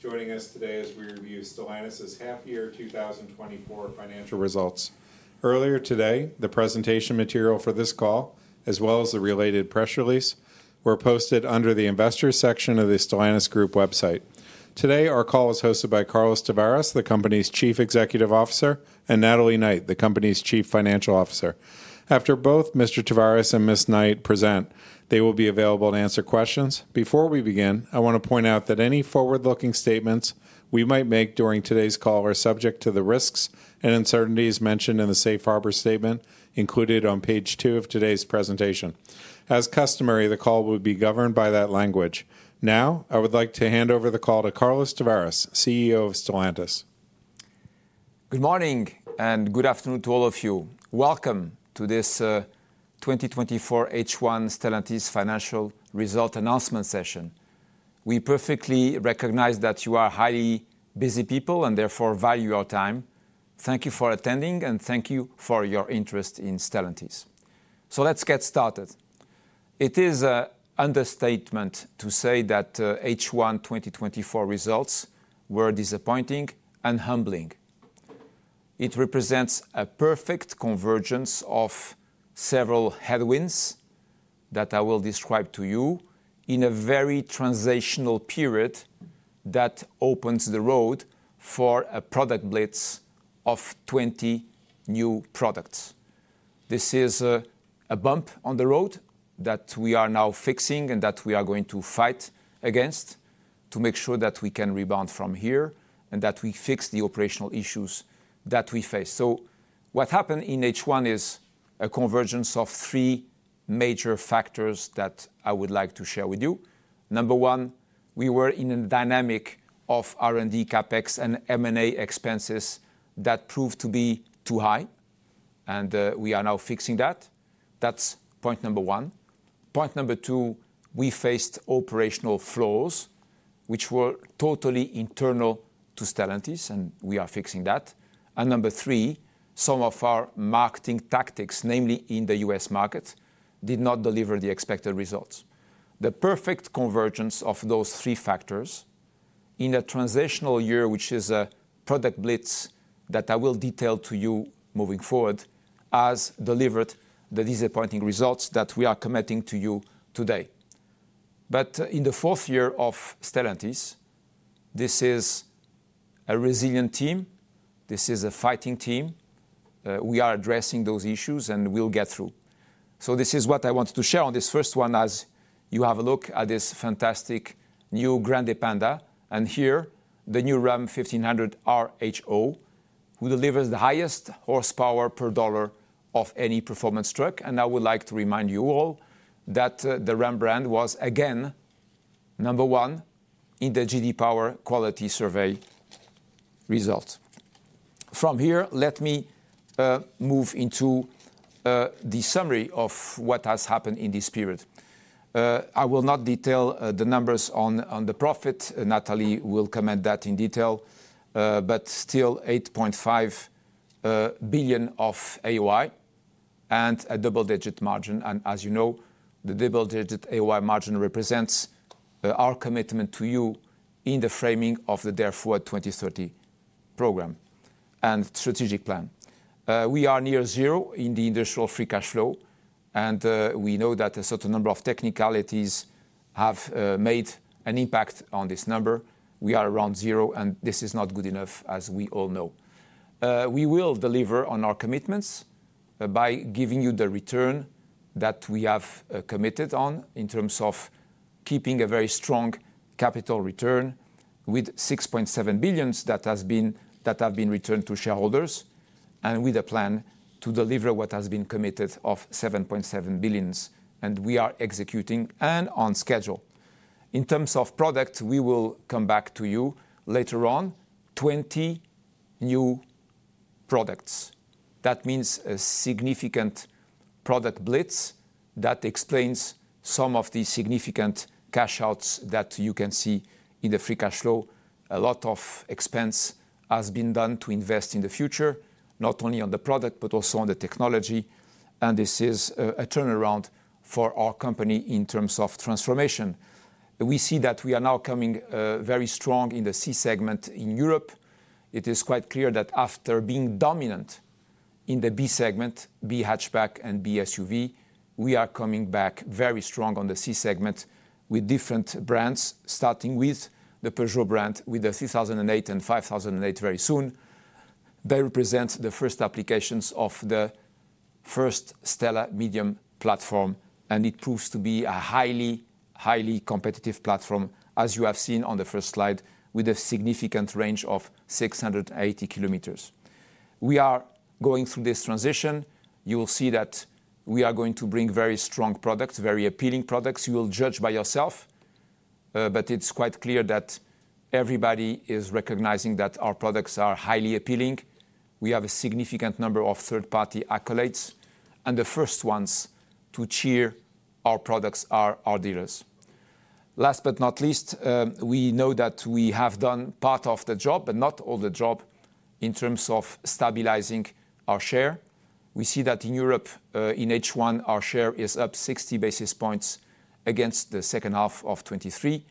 Hello, everyone. Joining us today as we review Stellantis's Half-Year 2024 Financial Results. Earlier today, the presentation material for this call, as well as the related press release, were posted under the Investors section of the Stellantis Group website. Today, our call is hosted by Carlos Tavares, the company's Chief Executive Officer, and Natalie Knight, the company's Chief Financial Officer. After both Mr. Tavares and Ms. Knight present, they will be available to answer questions. Before we begin, I want to point out that any forward-looking statements we might make during today's call are subject to the risks and uncertainties mentioned in the Safe Harbor Statement included on page two of today's presentation. As customary, the call will be governed by that language. Now, I would like to hand over the call to Carlos Tavares, CEO of Stellantis. Good morning and good afternoon to all of you. Welcome to this 2024 H1 Stellantis financial result announcement session. We perfectly recognize that you are highly busy people and therefore value our time. Thank you for attending, and thank you for your interest in Stellantis. So let's get started. It is an understatement to say that H1 2024 results were disappointing and humbling. It represents a perfect convergence of several headwinds that I will describe to you in a very transitional period that opens the road for a product blitz of 20 new products. This is a bump on the road that we are now fixing and that we are going to fight against to make sure that we can rebound from here and that we fix the operational issues that we face. So what happened in H1 is a convergence of three major factors that I would like to share with you. Number 1, we were in a dynamic of R&D, CapEx, and M&A expenses that proved to be too high, and we are now fixing that. That's point number 1. Point number 2, we faced operational flaws which were totally internal to Stellantis, and we are fixing that. And number 3, some of our marketing tactics, namely in the U.S. market, did not deliver the expected results. The perfect convergence of those three factors in a transitional year, which is a product blitz that I will detail to you moving forward, has delivered the disappointing results that we are committing to you today. But in the fourth year of Stellantis, this is a resilient team. This is a fighting team. We are addressing those issues, and we'll get through. So this is what I wanted to share on this first one as you have a look at this fantastic new Grande Panda and here, the new Ram 1500 RHO, who delivers the highest horsepower per dollar of any performance truck. And I would like to remind you all that the Ram brand was, again, number one in the J.D. Power Quality Survey results. From here, let me move into the summary of what has happened in this period. I will not detail the numbers on on the profit. Natalie will comment on that in detail, but still, 8.5 billion of AOI and a double-digit margin. And as you know, the double-digit AOI margin represents our commitment to you in the framing of the Dare Forward 2030 program and strategic plan. We are near zero in the Industrial Free Cash Flow, and we know that a certain number of technicalities have made an impact on this number. We are around zero, and this is not good enough, as we all know. We will deliver on our commitments by giving you the return that we have committed on in terms of keeping a very strong capital return with 6.7 billion that has been, that have been returned to shareholders and with a plan to deliver what has been committed of 7.7 billion. We are executing and on schedule. In terms of product, we will come back to you later on, 20 new products. That means a significant product blitz that explains some of the significant cash outs that you can see in the free cash flow. A lot of expense has been done to invest in the future, not only on the product, but also on the technology. And this is a turnaround for our company in terms of transformation. We see that we are now coming very strong in the C segment in Europe. It is quite clear that after being dominant in the B segment, B hatchback and B SUV, we are coming back very strong on the C segment with different brands, starting with the Peugeot brand with the 3008 and 5008 very soon. They represent the first applications of the first STLA Medium platform, and it proves to be a highly, highly competitive platform, as you have seen on the first slide with a significant range of 680 kilometers. We are going through this transition. You will see that we are going to bring very strong products, very appealing products. You will judge by yourself, but it's quite clear that everybody is recognizing that our products are highly appealing. We have a significant number of third-party accolades, and the first ones to cheer our products are our dealers. Last but not least, we know that we have done part of the job, but not all the job, in terms of stabilizing our share. We see that in Europe, in H1, our share is up 60 basis points against the second half of 2023.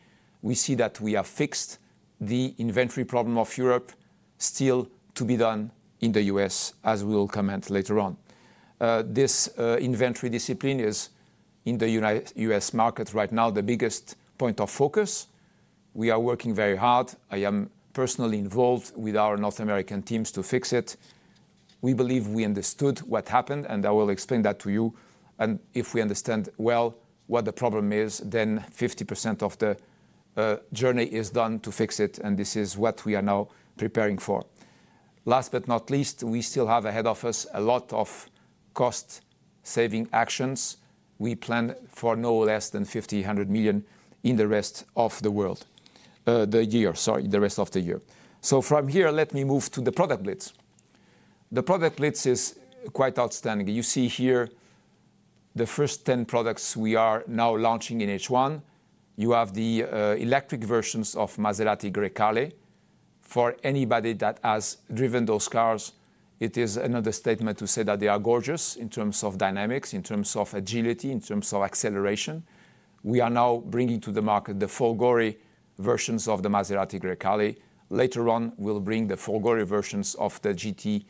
We see that we have fixed the inventory problem of Europe, still to be done in the U.S., as we will comment later on. This inventory discipline is, in the U.S. market right now, the biggest point of focus. We are working very hard. I am personally involved with our North American teams to fix it. We believe we understood what happened, and I will explain that to you. And if we understand well what the problem is, then 50% of the the journey is done to fix it, and this is what we are now preparing for. Last but not least, we still have ahead of us a lot of cost-saving actions. We plan for no less than 5,000 million in the rest of the world, the year, sorry, the rest of the year. So from here, let me move to the product blitz. The product blitz is quite outstanding. You see here the first 10 products we are now launching in H1. You have the electric versions of Maserati Grecale. For anybody that has driven those cars, it is an understatement to say that they are gorgeous in terms of dynamics, in terms of agility, in terms of acceleration. We are now bringing to the market the Folgore versions of the Maserati Grecale. Later on, we'll bring the Folgore versions of the GT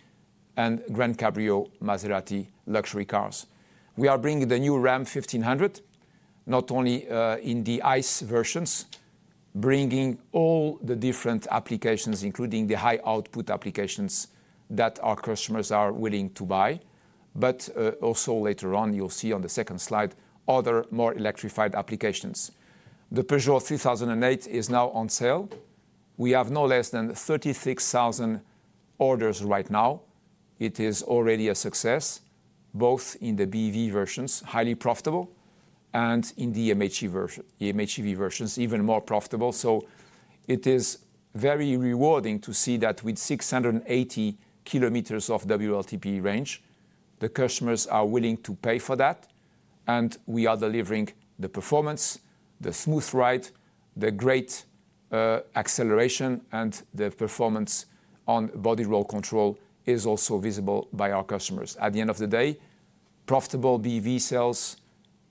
and GranCabrio Maserati luxury cars. We are bringing the new Ram 1500, not only in the ICE versions, bringing all the different applications, including the high-output applications that our customers are willing to buy. But also later on, you'll see on the second slide other more electrified applications. The Peugeot 3008 is now on sale. We have no less than 36,000 orders right now. It is already a success, both in the BEV versions, highly profitable, and in the MHEV versions, even more profitable. So it is very rewarding to see that with 680 km of WLTP range, the customers are willing to pay for that, and we are delivering the performance, the smooth ride, the great acceleration, and the performance on body roll control is also visible by our customers. At the end of the day, profitable BEV sales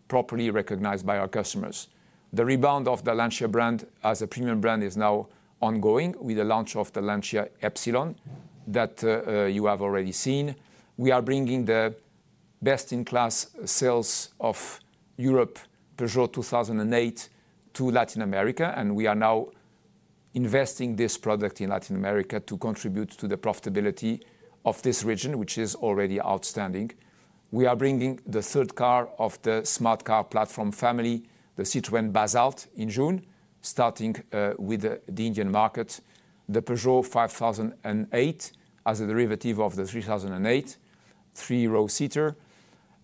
properly recognized by our customers. The rebound of the Lancia brand as a premium brand is now ongoing with the launch of the Lancia Ypsilon that you have already seen. We are bringing the best-in-class sales of Europe Peugeot 2008 to Latin America, and we are now investing this product in Latin America to contribute to the profitability of this region, which is already outstanding. We are bringing the third car of the Smart Car platform family, the Citroën Basalt, in June, starting with the Indian market, the Peugeot 5008 as a derivative of the 3008, three-row seater.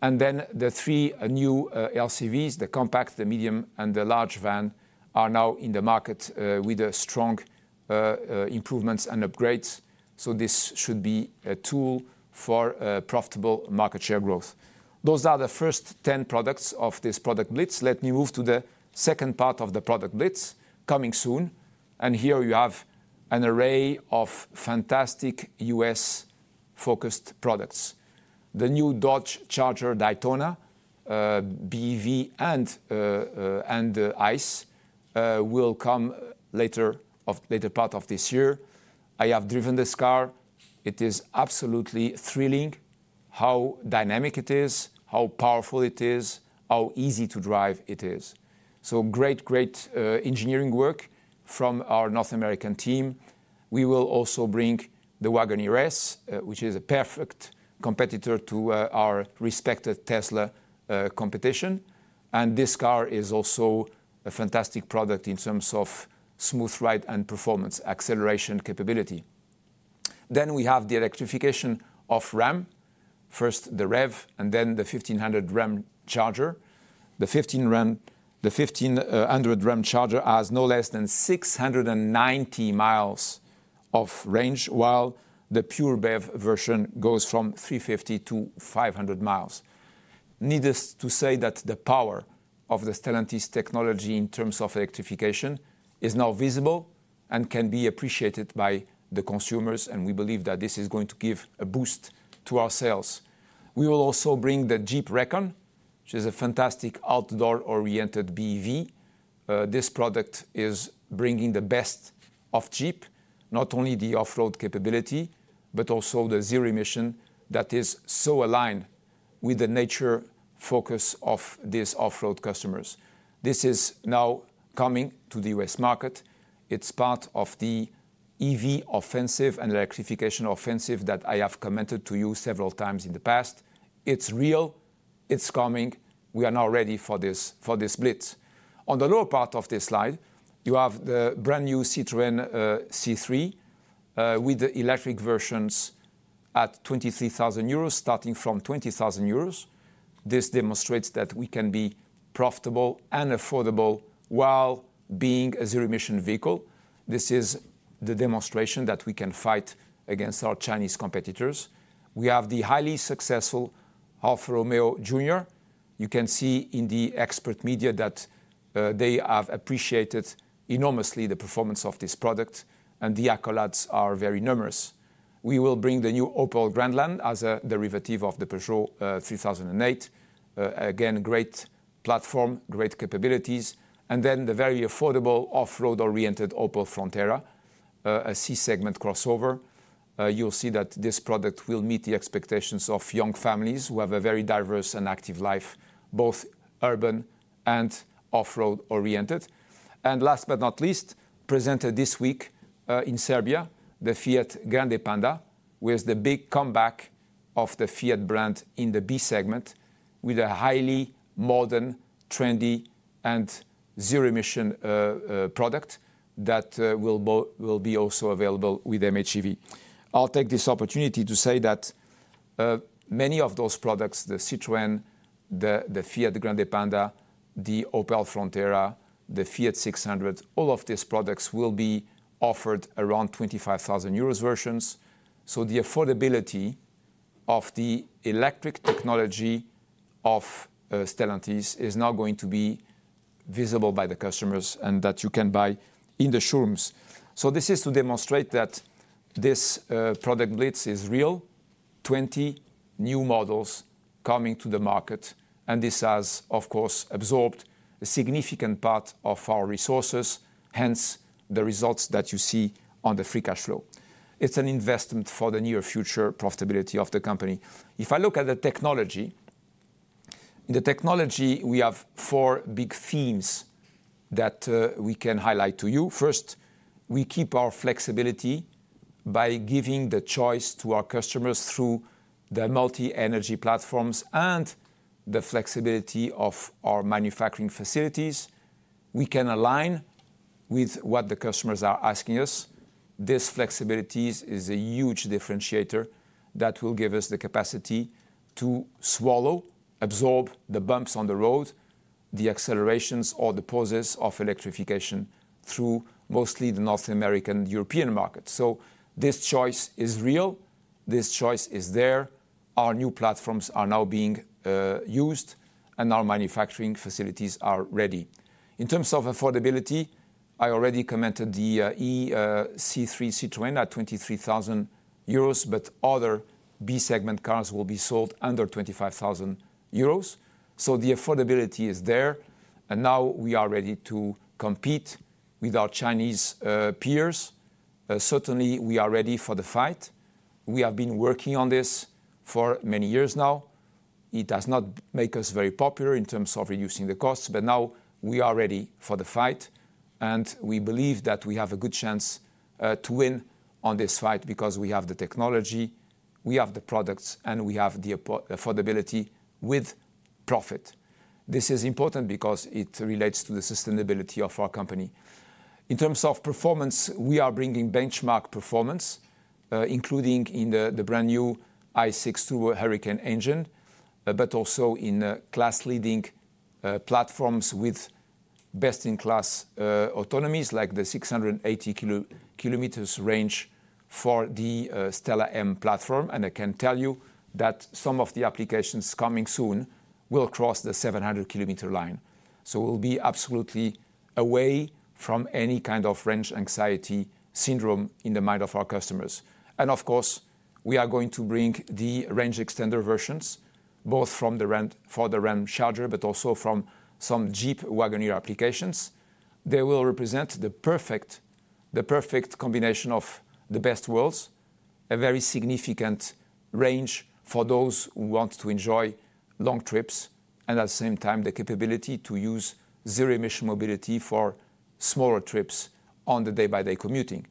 And then the three new LCVs, the compact, the medium, and the large van, are now in the market with strong improvements and upgrades. So this should be a tool for profitable market share growth. Those are the first 10 products of this product blitz. Let me move to the second part of the product blitz coming soon. And here you have an array of fantastic U.S.-focused products. The new Dodge Charger Daytona BEV and ICE will come later part of this year. I have driven this car. It is absolutely thrilling how dynamic it is, how powerful it is, how easy to drive it is. So great, great engineering work from our North American team. We will also bring the Wagoneer S, which is a perfect competitor to our respected Tesla competition. And this car is also a fantastic product in terms of smooth ride and performance acceleration capability. Then we have the electrification of Ram. First, the REV, and then the Ram 1500 Ramcharger. The Ram 1500 Ramcharger has no less than 690 miles of range, while the pure REV version goes from 350-500 miles. Needless to say that the power of the Stellantis technology in terms of electrification is now visible and can be appreciated by the consumers, and we believe that this is going to give a boost to our sales. We will also bring the Jeep Recon, which is a fantastic outdoor-oriented BEV. This product is bringing the best of Jeep, not only the off-road capability, but also the zero-emission that is so aligned with the nature focus of these off-road customers. This is now coming to the U.S. market. It's part of the EV offensive and electrification offensive that I have commented to you several times in the past. It's real. It's coming. We are now ready for this, for this blitz. On the lower part of this slide, you have the brand new Citroën C3 with the electric versions at 23,000 euros, starting from 20,000 euros. This demonstrates that we can be profitable and affordable while being a zero-emission vehicle. This is the demonstration that we can fight against our Chinese competitors. We have the highly successful Alfa Romeo Junior. You can see in the expert media that they have appreciated enormously the performance of this product, and the accolades are very numerous. We will bring the new Opel Grandland as a derivative of the Peugeot 3008. Again, great platform, great capabilities. And then the very affordable off-road-oriented Opel Frontera, a C-segment crossover. You'll see that this product will meet the expectations of young families who have a very diverse and active life, both urban and off-road-oriented. And last but not least, presented this week in Serbia, the Fiat Grande Panda, which is the big comeback of the Fiat brand in the B segment with a highly modern, trendy, and zero-emission product that will be also available with MHEV. I'll take this opportunity to say that many of those products, the Citroën, the Fiat Grande Panda, the Opel Frontera, the Fiat 600, all of these products will be offered around 25,000 euros versions. So the affordability of the electric technology of Stellantis is now going to be visible by the customers and that you can buy in the showrooms. So this is to demonstrate that this product blitz is real, 20 new models coming to the market, and this has, of course, absorbed a significant part of our resources, hence the results that you see on the free cash flow. It's an investment for the near future profitability of the company. If I look at the technology, in the technology, we have four big themes that we can highlight to you. First, we keep our flexibility by giving the choice to our customers through the multi-energy platforms and the flexibility of our manufacturing facilities. We can align with what the customers are asking us. This flexibility is a huge differentiator that will give us the capacity to swallow, absorb the bumps on the road, the accelerations, or the pauses of electrification through mostly the North American and European market. So this choice is real. This choice is there. Our new platforms are now being used, and our manufacturing facilities are ready. In terms of affordability, I already commented the Citroën ë-C3 at 23,000 euros, but other B-segment cars will be sold under 25,000 euros. So the affordability is there, and now we are ready to compete with our Chinese peers. Certainly, we are ready for the fight. We have been working on this for many years now. It does not make us very popular in terms of reducing the costs, but now we are ready for the fight, and we believe that we have a good chance to win on this fight because we have the technology, we have the products, and we have the affordability with profit. This is important because it relates to the sustainability of our company. In terms of performance, we are bringing benchmark performance, including in the brand new I6 Turbo Hurricane engine, but also in class-leading platforms with best-in-class autonomies like the 680 km range for the STLA Medium platform. And I can tell you that some of the applications coming soon will cross the 700 km line. So we'll be absolutely away from any kind of range anxiety syndrome in the mind of our customers. And of course, we are going to bring the range extender versions, both for the Ramcharger, but also from some Jeep Wagoneer applications. They will represent the perfect combination of the best worlds, a very significant range for those who want to enjoy long trips, and at the same time, the capability to use zero-emission mobility for smaller trips on the day-to-day commuting.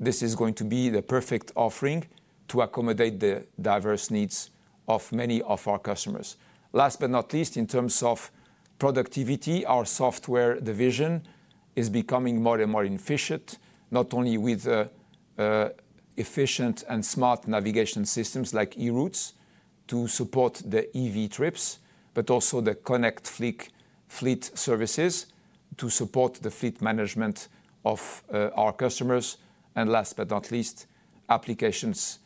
This is going to be the perfect offering to accommodate the diverse needs of many of our customers. Last but not least, in terms of productivity, our software division is becoming more and more efficient, not only with efficient and smart navigation systems like e-ROUTES to support the EV trips, but also the Connect Fleet fleet services to support the fleet management of our customers. And last but not least, applications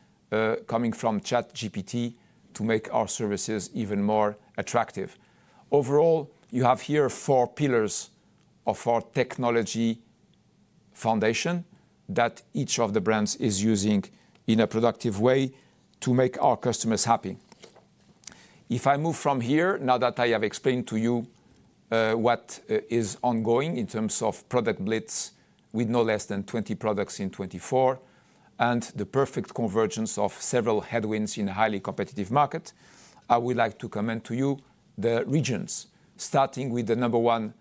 coming from ChatGPT to make our services even more attractive. Overall, you have here 4 pillars of our technology foundation that each of the brands is using in a productive way to make our customers happy. If I move from here, now that I have explained to you what is ongoing in terms of product blitz with no less than 20 products in 2024 and the perfect convergence of several headwinds in a highly competitive market, I would like to comment to you the regions, starting with the number one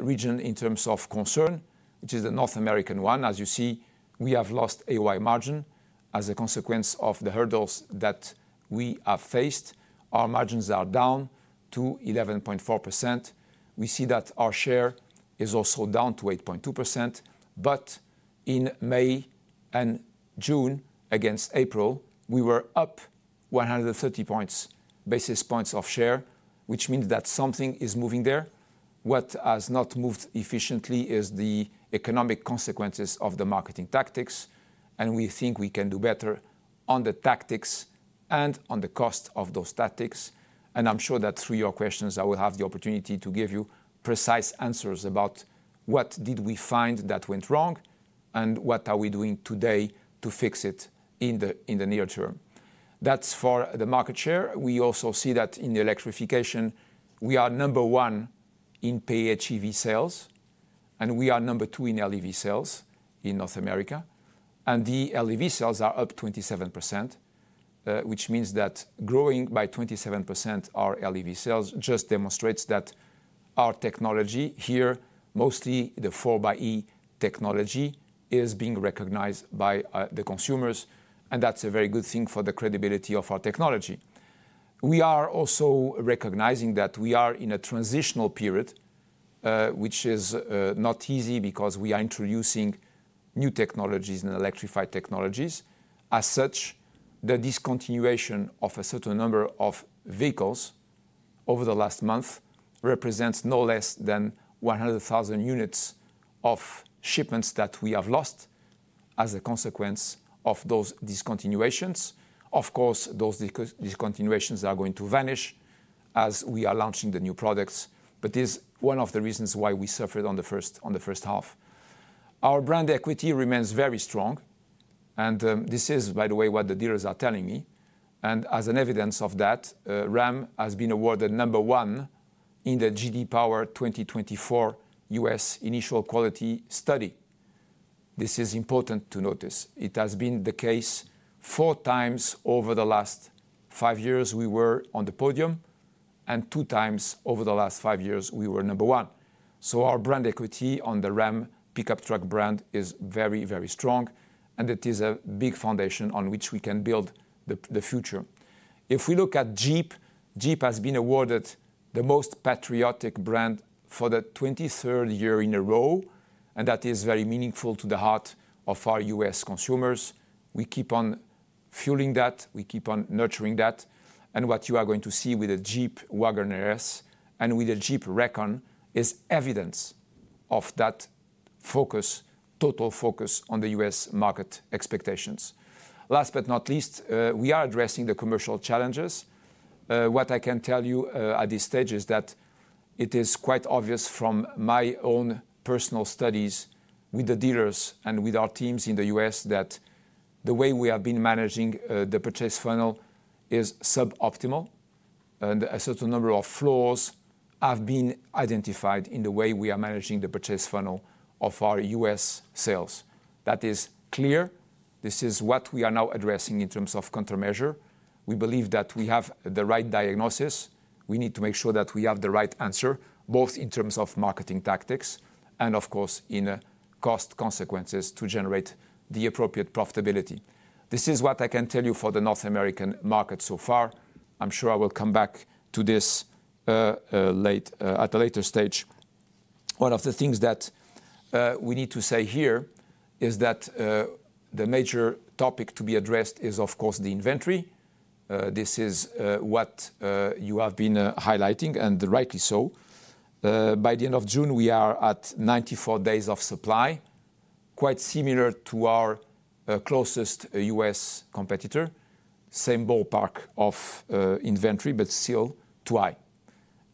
region in terms of concern, which is the North America one. As you see, we have lost AOI margin as a consequence of the hurdles that we have faced. Our margins are down to 11.4%. We see that our share is also down to 8.2%. But in May and June against April, we were up 130 points basis points of share, which means that something is moving there. What has not moved efficiently is the economic consequences of the marketing tactics, and we think we can do better on the tactics and on the cost of those tactics. And I'm sure that through your questions, I will have the opportunity to give you precise answers about what did we find that went wrong and what are we doing today to fix it in the, in the near term. That's for the market share. We also see that in the electrification, we are number one in PHEV sales, and we are number two in LEV sales in North America. And the LEV sales are up 27%, which means that growing by 27%, our LEV sales just demonstrates that our technology here, mostly the 4xe technology, is being recognized by the consumers, and that's a very good thing for the credibility of our technology. We are also recognizing that we are in a transitional period, which is not easy because we are introducing new technologies and electrified technologies. As such, the discontinuation of a certain number of vehicles over the last month represents no less than 100,000 units of shipments that we have lost as a consequence of those discontinuations. Of course, those discontinuations are going to vanish as we are launching the new products, but it is one of the reasons why we suffered on the, on the first half. Our brand equity remains very strong, and this is, by the way, what the dealers are telling me. And as an evidence of that, Ram has been awarded number one in the J.D. Power 2024 U.S. Initial Quality Study. This is important to notice. It has been the case four times over the last five years we were on the podium, and two times over the last five years we were number one. So our brand equity on the Ram pickup truck brand is very, very strong, and it is a big foundation on which we can build the future. If we look at Jeep, Jeep has been awarded the most patriotic brand for the 23rd year in a row, and that is very meaningful to the heart of our U.S. consumers. We keep on fueling that. We keep on nurturing that. And what you are going to see with the Jeep Wagoneer S and with the Jeep Recon is evidence of that focus, total focus on the U.S. market expectations. Last but not least, we are addressing the commercial challenges. What I can tell you at this stage is that it is quite obvious from my own personal studies with the dealers and with our teams in the U.S. that the way we have been managing the purchase funnel is suboptimal, and a certain number of flaws have been identified in the way we are managing the purchase funnel of our U.S. sales. That is clear. This is what we are now addressing in terms of countermeasure. We believe that we have the right diagnosis. We need to make sure that we have the right answer, both in terms of marketing tactics and, of course, in cost consequences to generate the appropriate profitability. This is what I can tell you for the North American market so far. I'm sure I will come back to this at a later stage. One of the things that we need to say here is that the major topic to be addressed is, of course, the inventory. This is what you have been highlighting, and rightly so. By the end of June, we are at 94 days of supply, quite similar to our closest U.S. competitor, same ballpark of inventory, but still too high.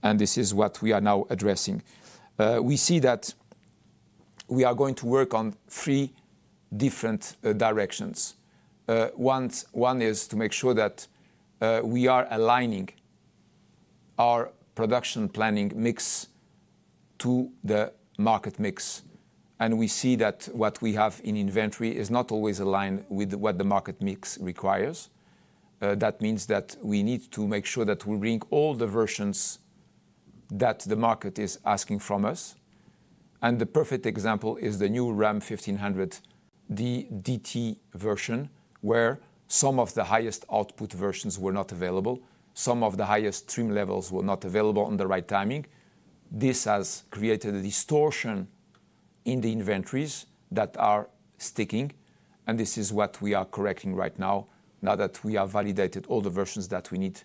And this is what we are now addressing. We see that we are going to work on three different directions. One one is to make sure that we are aligning our production planning mix to the market mix. We see that what we have in inventory is not always aligned with what the market mix requires. That means that we need to make sure that we bring all the versions that the market is asking from us. And the perfect example is the new Ram 1500 DT version, where some of the highest output versions were not available. Some of the highest trim levels were not available on the right timing. This has created a distortion in the inventories that are sticking, and this is what we are correcting right now, now that we have validated all the versions that we need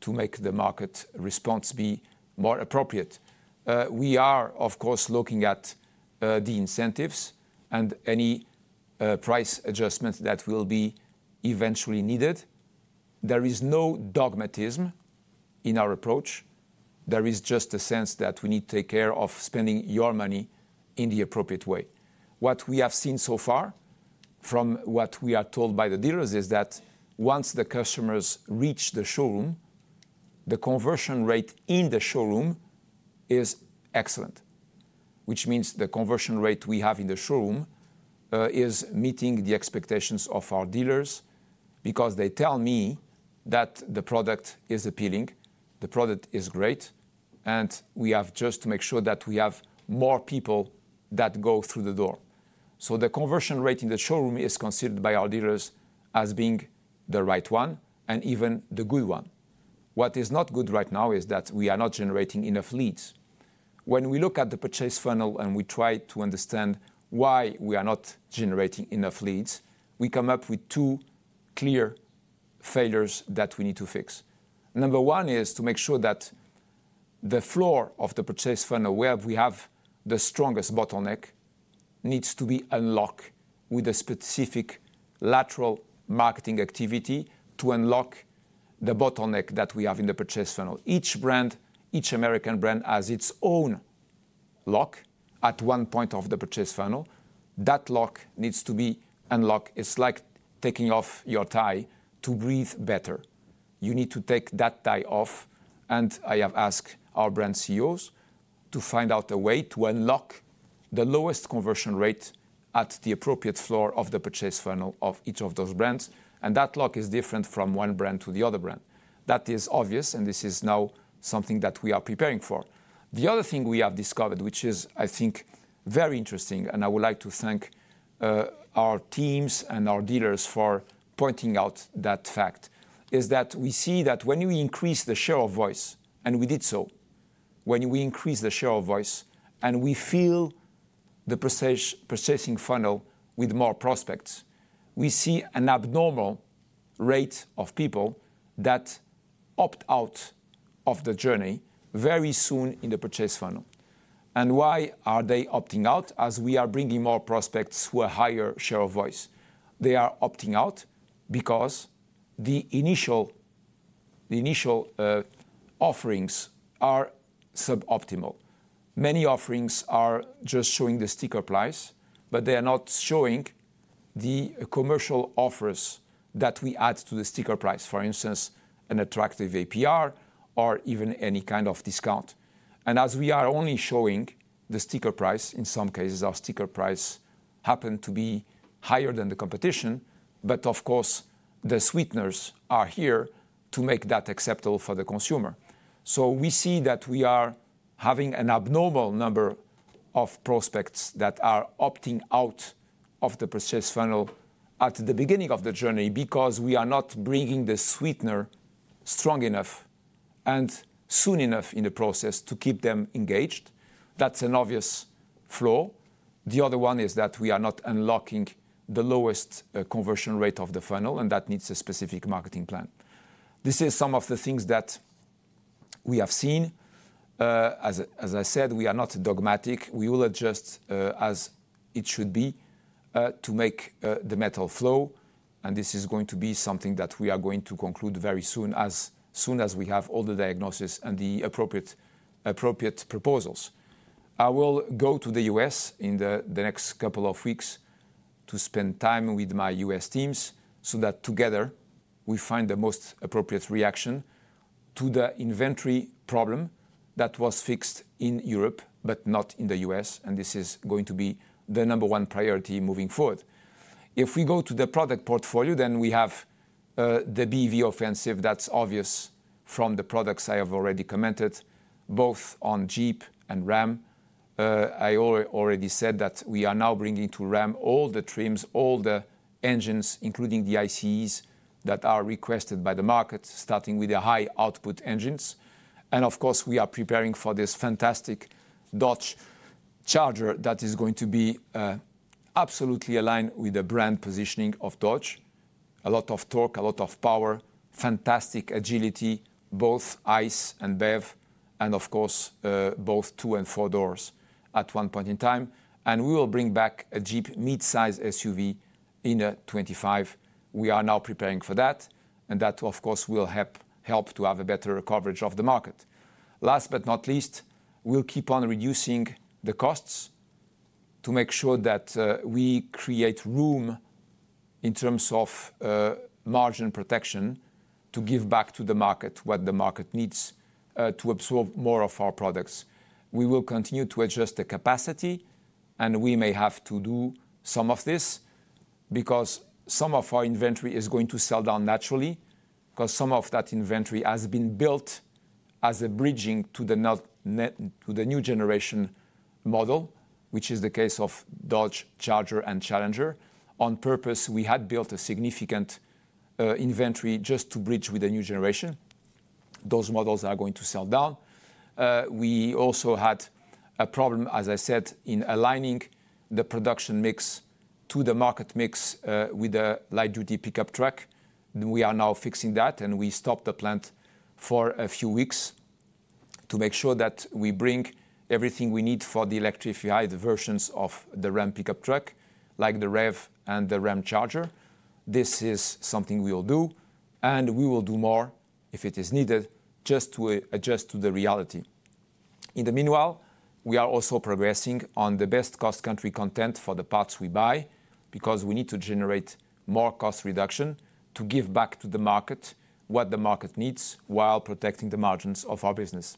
to make the market response be more appropriate. We are, of course, looking at the incentives and any price adjustments that will be eventually needed. There is no dogmatism in our approach. There is just a sense that we need to take care of spending your money in the appropriate way. What we have seen so far from what we are told by the dealers is that once the customers reach the showroom, the conversion rate in the showroom is excellent, which means the conversion rate we have in the showroom is meeting the expectations of our dealers because they tell me that the product is appealing, the product is great, and we have just to make sure that we have more people that go through the door. So the conversion rate in the showroom is considered by our dealers as being the right one and even the good one. What is not good right now is that we are not generating enough leads. When we look at the purchase funnel and we try to understand why we are not generating enough leads, we come up with two clear failures that we need to fix. Number one is to make sure that the floor of the purchase funnel where we have the strongest bottleneck needs to be unlocked with a specific lateral marketing activity to unlock the bottleneck that we have in the purchase funnel. Each brand, each American brand has its own lock at one point of the purchase funnel. That lock needs to be unlocked. It's like taking off your tie to breathe better. You need to take that tie off, and I have asked our brand CEOs to find out a way to unlock the lowest conversion rate at the appropriate floor of the purchase funnel of each of those brands. And that lock is different from one brand to the other brand. That is obvious, and this is now something that we are preparing for. The other thing we have discovered, which is, I think, very interesting, and I would like to thank our teams and our dealers for pointing out that fact, is that we see that when we increase the share of voice, and we did so, when we increase the share of voice and we fill the purchasing funnel with more prospects, we see an abnormal rate of people that opt out of the journey very soon in the purchase funnel. And why are they opting out as we are bringing more prospects who are higher share of voice? They are opting out because the initial offerings are suboptimal. Many offerings are just showing the sticker price, but they are not showing the commercial offers that we add to the sticker price, for instance, an attractive APR or even any kind of discount. And as we are only showing the sticker price, in some cases, our sticker price happens to be higher than the competition, but of course, the sweeteners are here to make that acceptable for the consumer. So we see that we are having an abnormal number of prospects that are opting out of the purchase funnel at the beginning of the journey because we are not bringing the sweetener strong enough and soon enough in the process to keep them engaged. That's an obvious flaw. The other one is that we are not unlocking the lowest conversion rate of the funnel, and that needs a specific marketing plan. This is some of the things that we have seen. As I, as I said, we are not dogmatic. We will adjust as it should be to make the metal flow, and this is going to be something that we are going to conclude very soon, as soon as we have all the diagnosis and the appropriate proposals. I will go to the U.S. in the next couple of weeks to spend time with my U.S. teams so that together we find the most appropriate reaction to the inventory problem that was fixed in Europe, but not in the U.S., and this is going to be the number one priority moving forward. If we go to the product portfolio, then we have the BEV offensive. That's obvious from the products I have already commented, both on Jeep and Ram. I already said that we are now bringing to Ram all the trims, all the engines, including the ICEs that are requested by the market, starting with the high output engines. And of course, we are preparing for this fantastic Dodge Charger that is going to be absolutely aligned with the brand positioning of Dodge. A lot of torque, a lot of power, fantastic agility, both ICE and BEV, and of course, both two and four doors at one point in time. And we will bring back a Jeep mid-size SUV in 2025. We are now preparing for that, and that, of course, will help to have a better coverage of the market. Last but not least, we'll keep on reducing the costs to make sure that we create room in terms of margin protection to give back to the market what the market needs to absorb more of our products. We will continue to adjust the capacity, and we may have to do some of this because some of our inventory is going to sell down naturally because some of that inventory has been built as a bridging to the new generation model, which is the case of Dodge Charger and Challenger. On purpose, we had built a significant inventory just to bridge with the new generation. Those models are going to sell down. We also had a problem, as I said, in aligning the production mix to the market mix with the light-duty pickup truck. We are now fixing that, and we stopped the plant for a few weeks to make sure that we bring everything we need for the electric vehicles, the versions of the Ram pickup truck, like the REV and the Ramcharger. This is something we will do, and we will do more if it is needed just to adjust to the reality. In the meanwhile, we are also progressing on the best cost country content for the parts we buy because we need to generate more cost reduction to give back to the market what the market needs while protecting the margins of our business.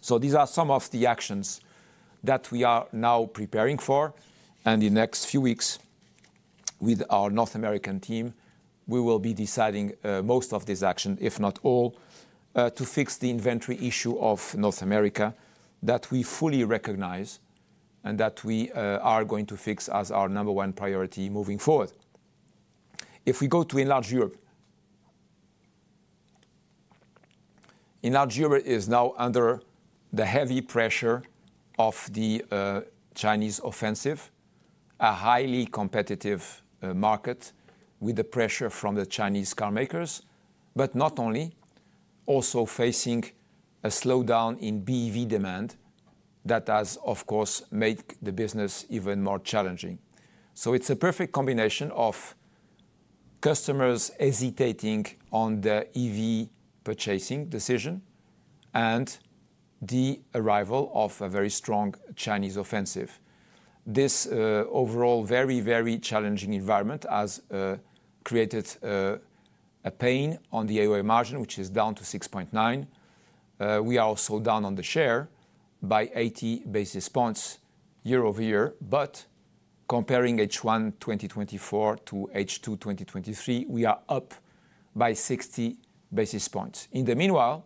So these are some of the actions that we are now preparing for. And in the next few weeks, with our North American team, we will be deciding most of this action, if not all, to fix the inventory issue of North America that we fully recognize and that we are going to fix as our number one priority moving forward. If we go to enlarged Europe, enlarged Europe is now under the heavy pressure of the Chinese offensive, a highly competitive market with the pressure from the Chinese carmakers, but not only, also facing a slowdown in BEV demand that has, of course, made the business even more challenging. So it's a perfect combination of customers hesitating on the EV purchasing decision and the arrival of a very strong Chinese offensive. This overall very, very challenging environment has created a pain on the AOI margin, which is down to 6.9%. We are also down on the share by 80 basis points year-over-year, but comparing H1 2024 to H2 2023, we are up by 60 basis points. In the meanwhile,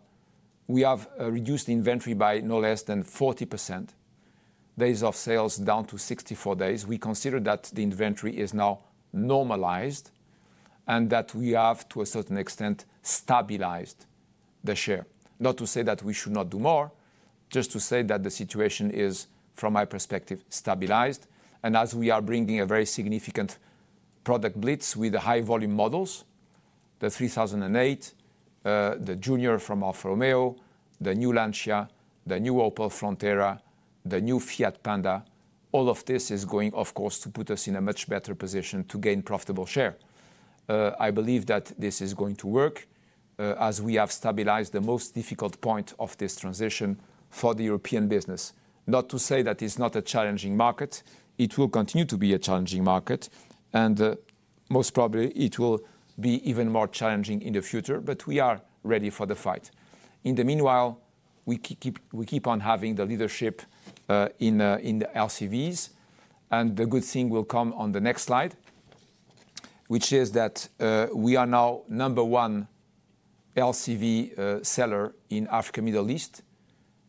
we have reduced inventory by no less than 40%. Days of sales down to 64 days. We consider that the inventory is now normalized and that we have, to a certain extent, stabilized the share. Not to say that we should not do more, just to say that the situation is, from my perspective, stabilized. And as we are bringing a very significant product blitz with the high-volume models, the 3008, the Junior from Alfa Romeo, the new Lancia, the new Opel Frontera, the new Fiat Panda, all of this is going, of course, to put us in a much better position to gain profitable share. I believe that this is going to work as we have stabilized the most difficult point of this transition for the European business. Not to say that it's not a challenging market. It will continue to be a challenging market, and most probably it will be even more challenging in the future, but we are ready for the fight. In the meanwhile, we keep, we keep on having the leadership in in the LCVs, and the good thing will come on the next slide, which is that we are now number one LCV seller in Africa and Middle East,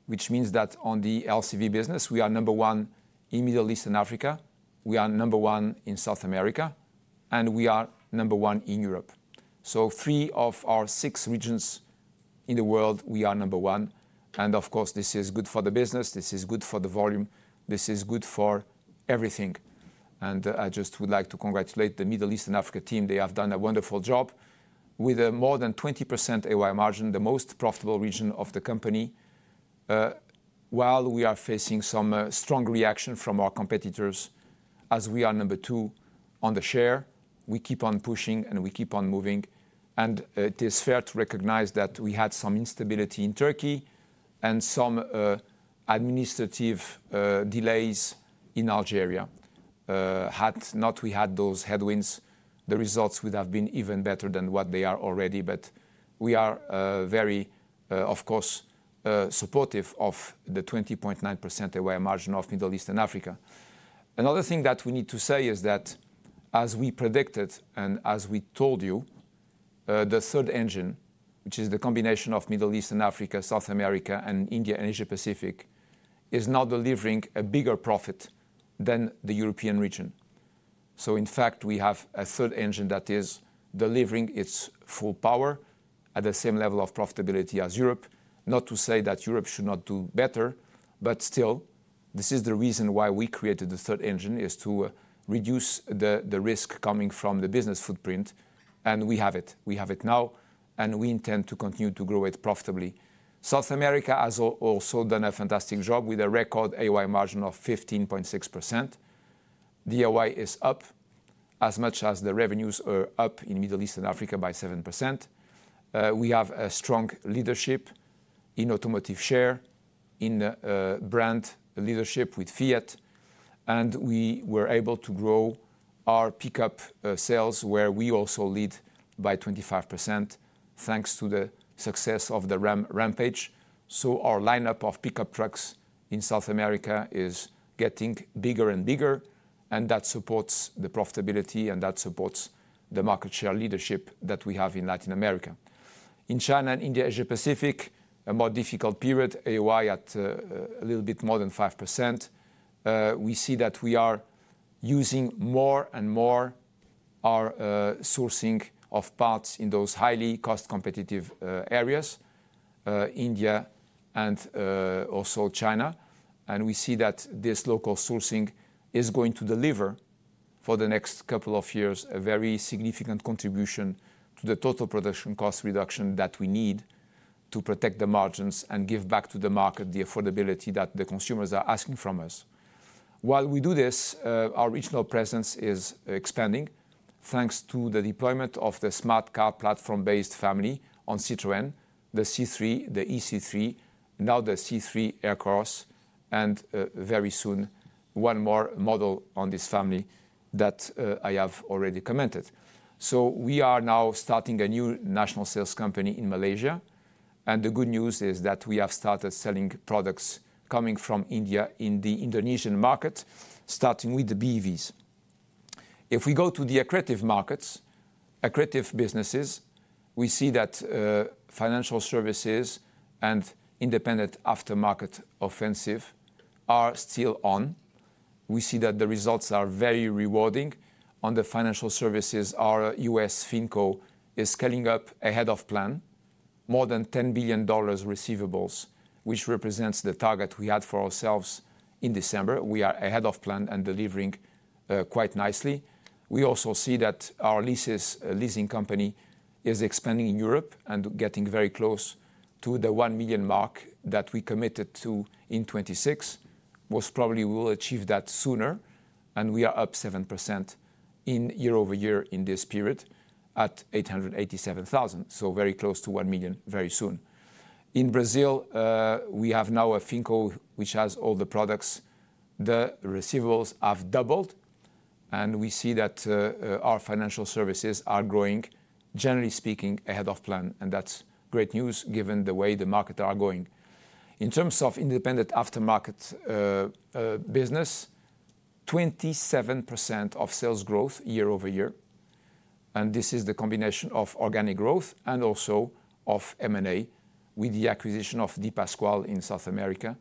which means that on the LCV business, we are number one in Middle East and Africa. We are number one in South America, and we are number one in Europe. So three of our six regions in the world, we are number one. And of course, this is good for the business. This is good for the volume. This is good for everything. And I just would like to congratulate the Middle East and Africa team. They have done a wonderful job with a more than 20% AOI margin, the most profitable region of the company. While we are facing some strong reaction from our competitors, as we are number two on the share, we keep on pushing and we keep on moving. And it is fair to recognize that we had some instability in Turkey and some administrative delays in Algeria. Had not we had those headwinds, the results would have been even better than what they are already. But we are very, of course, supportive of the 20.9% AOI margin of Middle East and Africa. Another thing that we need to say is that as we predicted and as we told you, the third engine, which is the combination of Middle East and Africa, South America and India and Asia-Pacific, is now delivering a bigger profit than the European region. So in fact, we have a third engine that is delivering its full power at the same level of profitability as Europe. Not to say that Europe should not do better, but still, this is the reason why we created the third engine, is to reduce the risk coming from the business footprint. And we have it. We have it now, and we intend to continue to grow it profitably. South America has also done a fantastic job with a record AOI margin of 15.6%. AOI is up as much as the revenues are up in Middle East and Africa by 7%. We have a strong leadership in automotive share, in brand leadership with Fiat, and we were able to grow our pickup sales where we also lead by 25% thanks to the success of the Ram Rampage. So our lineup of pickup trucks in South America is getting bigger and bigger, and that supports the profitability and that supports the market share leadership that we have in Latin America. In China and India, Asia-Pacific, a more difficult period, AOI at a little bit more than 5%. We see that we are using more and more our sourcing of parts in those highly cost-competitive areas, India and also China. And we see that this local sourcing is going to deliver for the next couple of years a very significant contribution to the total production cost reduction that we need to protect the margins and give back to the market the affordability that the consumers are asking from us. While we do this, our regional presence is expanding thanks to the deployment of the Smart Car platform-based family on Citroën, the C3, the ë-C3, now the C3 Aircross, and very soon one more model on this family that I have already commented. So we are now starting a new national sales company in Malaysia, and the good news is that we have started selling products coming from India in the Indonesian market, starting with the BEVs. If we go to the accretive markets, accretive businesses, we see that financial services and independent aftermarket offensive are still on. We see that the results are very rewarding on the financial services. Our U.S. FinCo is scaling up ahead of plan, more than $10 billion receivables, which represents the target we had for ourselves in December. We are ahead of plan and delivering quite nicely. We also see that our leasing company is expanding in Europe and getting very close to the 1 million mark that we committed to in 2026. Most probably, we will achieve that sooner, and we are up 7% year-over-year in this period at 887,000, so very close to 1 million very soon. In Brazil, we have now a FinCo which has all the products. The receivables have doubled, and we see that our financial services are growing, generally speaking, ahead of plan, and that's great news given the way the markets are going. In terms of independent aftermarket business, 27% of sales growth year-over-year, and this is the combination of organic growth and also of M&A with the acquisition of DPaschoal in South America.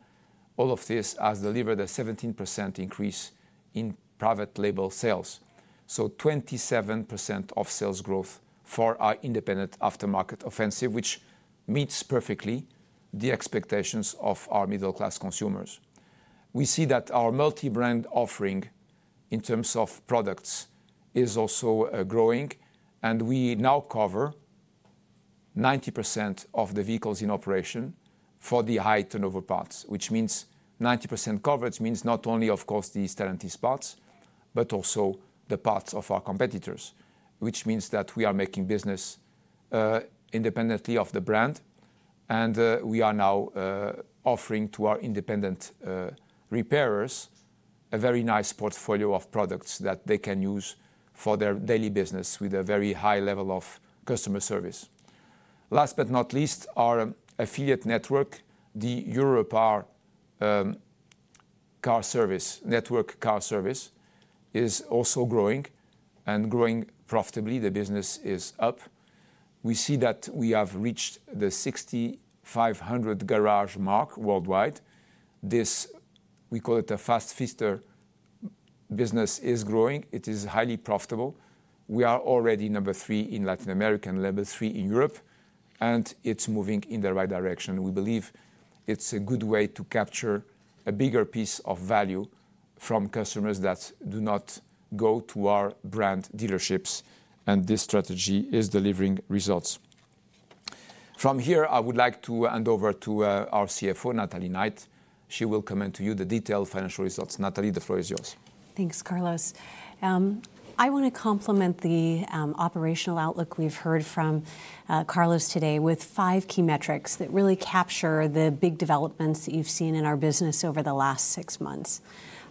All of this has delivered a 17% increase in private label sales. So 27% of sales growth for our independent aftermarket offensive, which meets perfectly the expectations of our middle-class consumers. We see that our multi-brand offering in terms of products is also growing, and we now cover 90% of the vehicles in operation for the high turnover parts, which means 90% coverage means not only, of course, the Stellantis parts, but also the parts of our competitors, which means that we are making business independently of the brand. And we are now offering to our independent repairers a very nice portfolio of products that they can use for their daily business with a very high level of customer service. Last but not least, our affiliate network, the Eurorepar Car Service, is also growing and growing profitably. The business is up. We see that we have reached the 6,500 garage mark worldwide. This, we call it a fast-fitter business, is growing. It is highly profitable. We are already number 3 in Latin America and number 3 in Europe, and it's moving in the right direction. We believe it's a good way to capture a bigger piece of value from customers that do not go to our brand dealerships, and this strategy is delivering results. From here, I would like to hand over to our CFO, Natalie Knight. She will comment to you the detailed financial results. Natalie, the floor is yours. Thanks, Carlos. I want to complement the operational outlook we've heard from Carlos today with five key metrics that really capture the big developments that you've seen in our business over the last six months.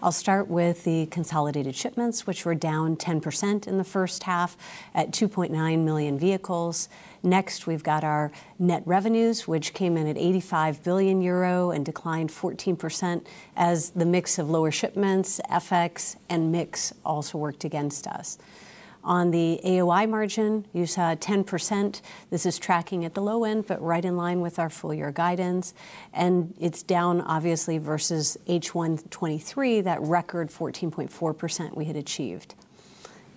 I'll start with the consolidated shipments, which were down 10% in the first half at 2.9 million vehicles. Next, we've got our net revenues, which came in at 85 billion euro and declined 14% as the mix of lower shipments, FX, and mix also worked against us. On the AOI margin, you saw 10%. This is tracking at the low end, but right in line with our full year guidance, and it's down obviously versus H1 2023, that record 14.4% we had achieved.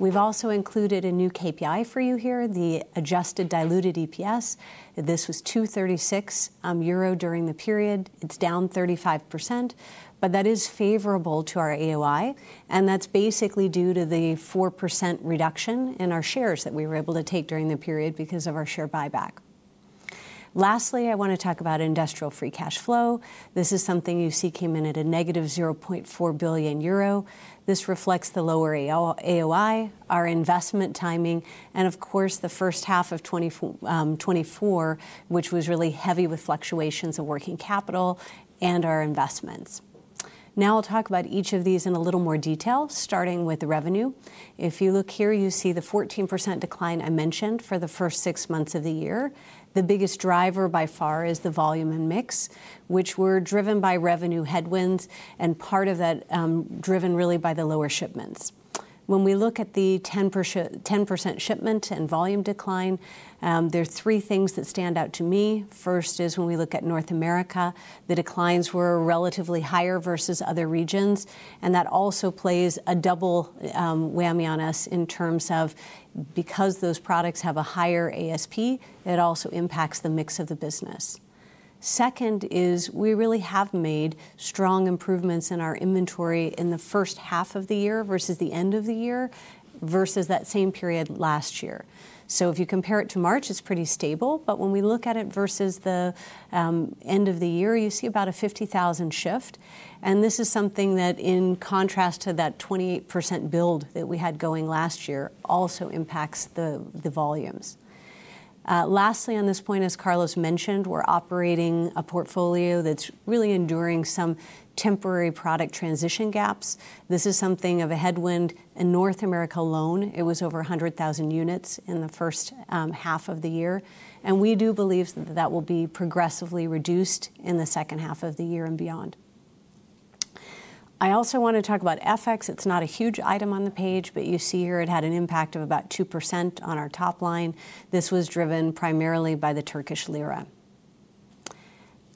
We've also included a new KPI for you here, the adjusted diluted EPS. This was 2.36 euro during the period. It's down 35%, but that is favorable to our AOI, and that's basically due to the 4% reduction in our shares that we were able to take during the period because of our share buyback. Lastly, I want to talk about industrial free cash flow. This is something you see came in at a negative 0.4 billion euro. This reflects the lower AOI, our investment timing, and of course, the first half of 2024, which was really heavy with fluctuations of working capital and our investments. Now I'll talk about each of these in a little more detail, starting with revenue. If you look here, you see the 14% decline I mentioned for the first six months of the year. The biggest driver by far is the volume and mix, which were driven by revenue headwinds, and part of that driven really by the lower shipments. When we look at the 10% shipment and volume decline, there are three things that stand out to me. First is when we look at North America, the declines were relatively higher versus other regions, and that also plays a double whammy on us in terms of because those products have a higher ASP, it also impacts the mix of the business. Second is we really have made strong improvements in our inventory in the first half of the year versus the end of the year versus that same period last year. So if you compare it to March, it's pretty stable, but when we look at it versus the end of the year, you see about a 50,000 shift, and this is something that in contrast to that 28% build that we had going last year also impacts the the volumes. Lastly, on this point, as Carlos mentioned, we're operating a portfolio that's really enduring some temporary product transition gaps. This is something of a headwind in North America alone. It was over 100,000 units in the first half of the year, and we do believe that that will be progressively reduced in the second half of the year and beyond. I also want to talk about FX. It's not a huge item on the page, but you see here it had an impact of about 2% on our top line. This was driven primarily by the Turkish lira.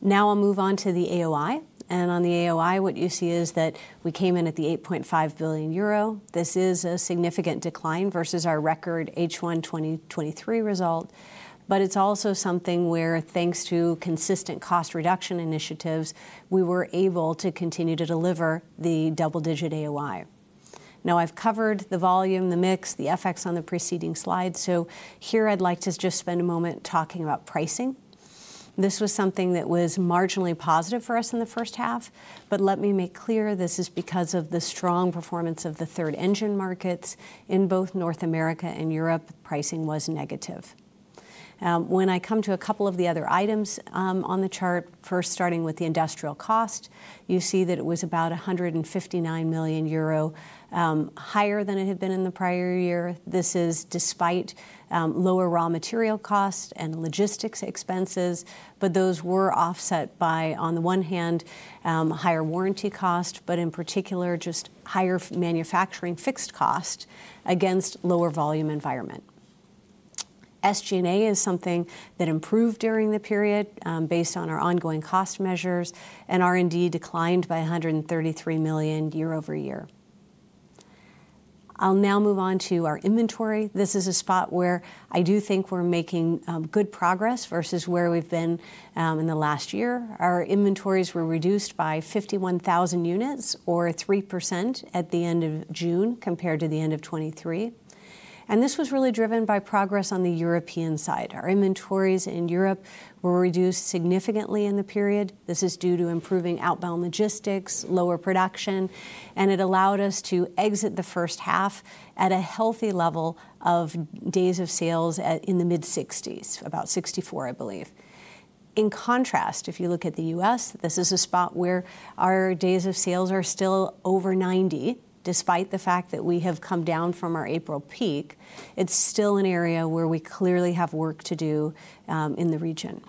Now I'll move on to the AOI, and on the AOI, what you see is that we came in at 8.5 billion euro. This is a significant decline versus our record H1 2023 result, but it's also something where thanks to consistent cost reduction initiatives, we were able to continue to deliver the double-digit AOI. Now I've covered the volume, the mix, the FX on the preceding slide, so here I'd like to just spend a moment talking about pricing. This was something that was marginally positive for us in the first half, but let me make clear this is because of the strong performance of the third engine markets in both North America and Europe. Pricing was negative. When I come to a couple of the other items on the chart, first starting with the industrial cost, you see that it was about 159 million euro higher than it had been in the prior year. This is despite lower raw material costs and logistics expenses, but those were offset by, on the one hand, higher warranty costs, but in particular, just higher manufacturing fixed costs against lower volume environment. SG&A is something that improved during the period based on our ongoing cost measures and R&D declined by 133 million year-over-year. I'll now move on to our inventory. This is a spot where I do think we're making good progress versus where we've been in the last year. Our inventories were reduced by 51,000 units or 3% at the end of June compared to the end of 2023, and this was really driven by progress on the European side. Our inventories in Europe were reduced significantly in the period. This is due to improving outbound logistics, lower production, and it allowed us to exit the first half at a healthy level of days of sales in the mid-60s, about 64, I believe. In contrast, if you look at the U.S., this is a spot where our days of sales are still over 90, despite the fact that we have come down from our April peak. It's still an area where we clearly have work to do in the region.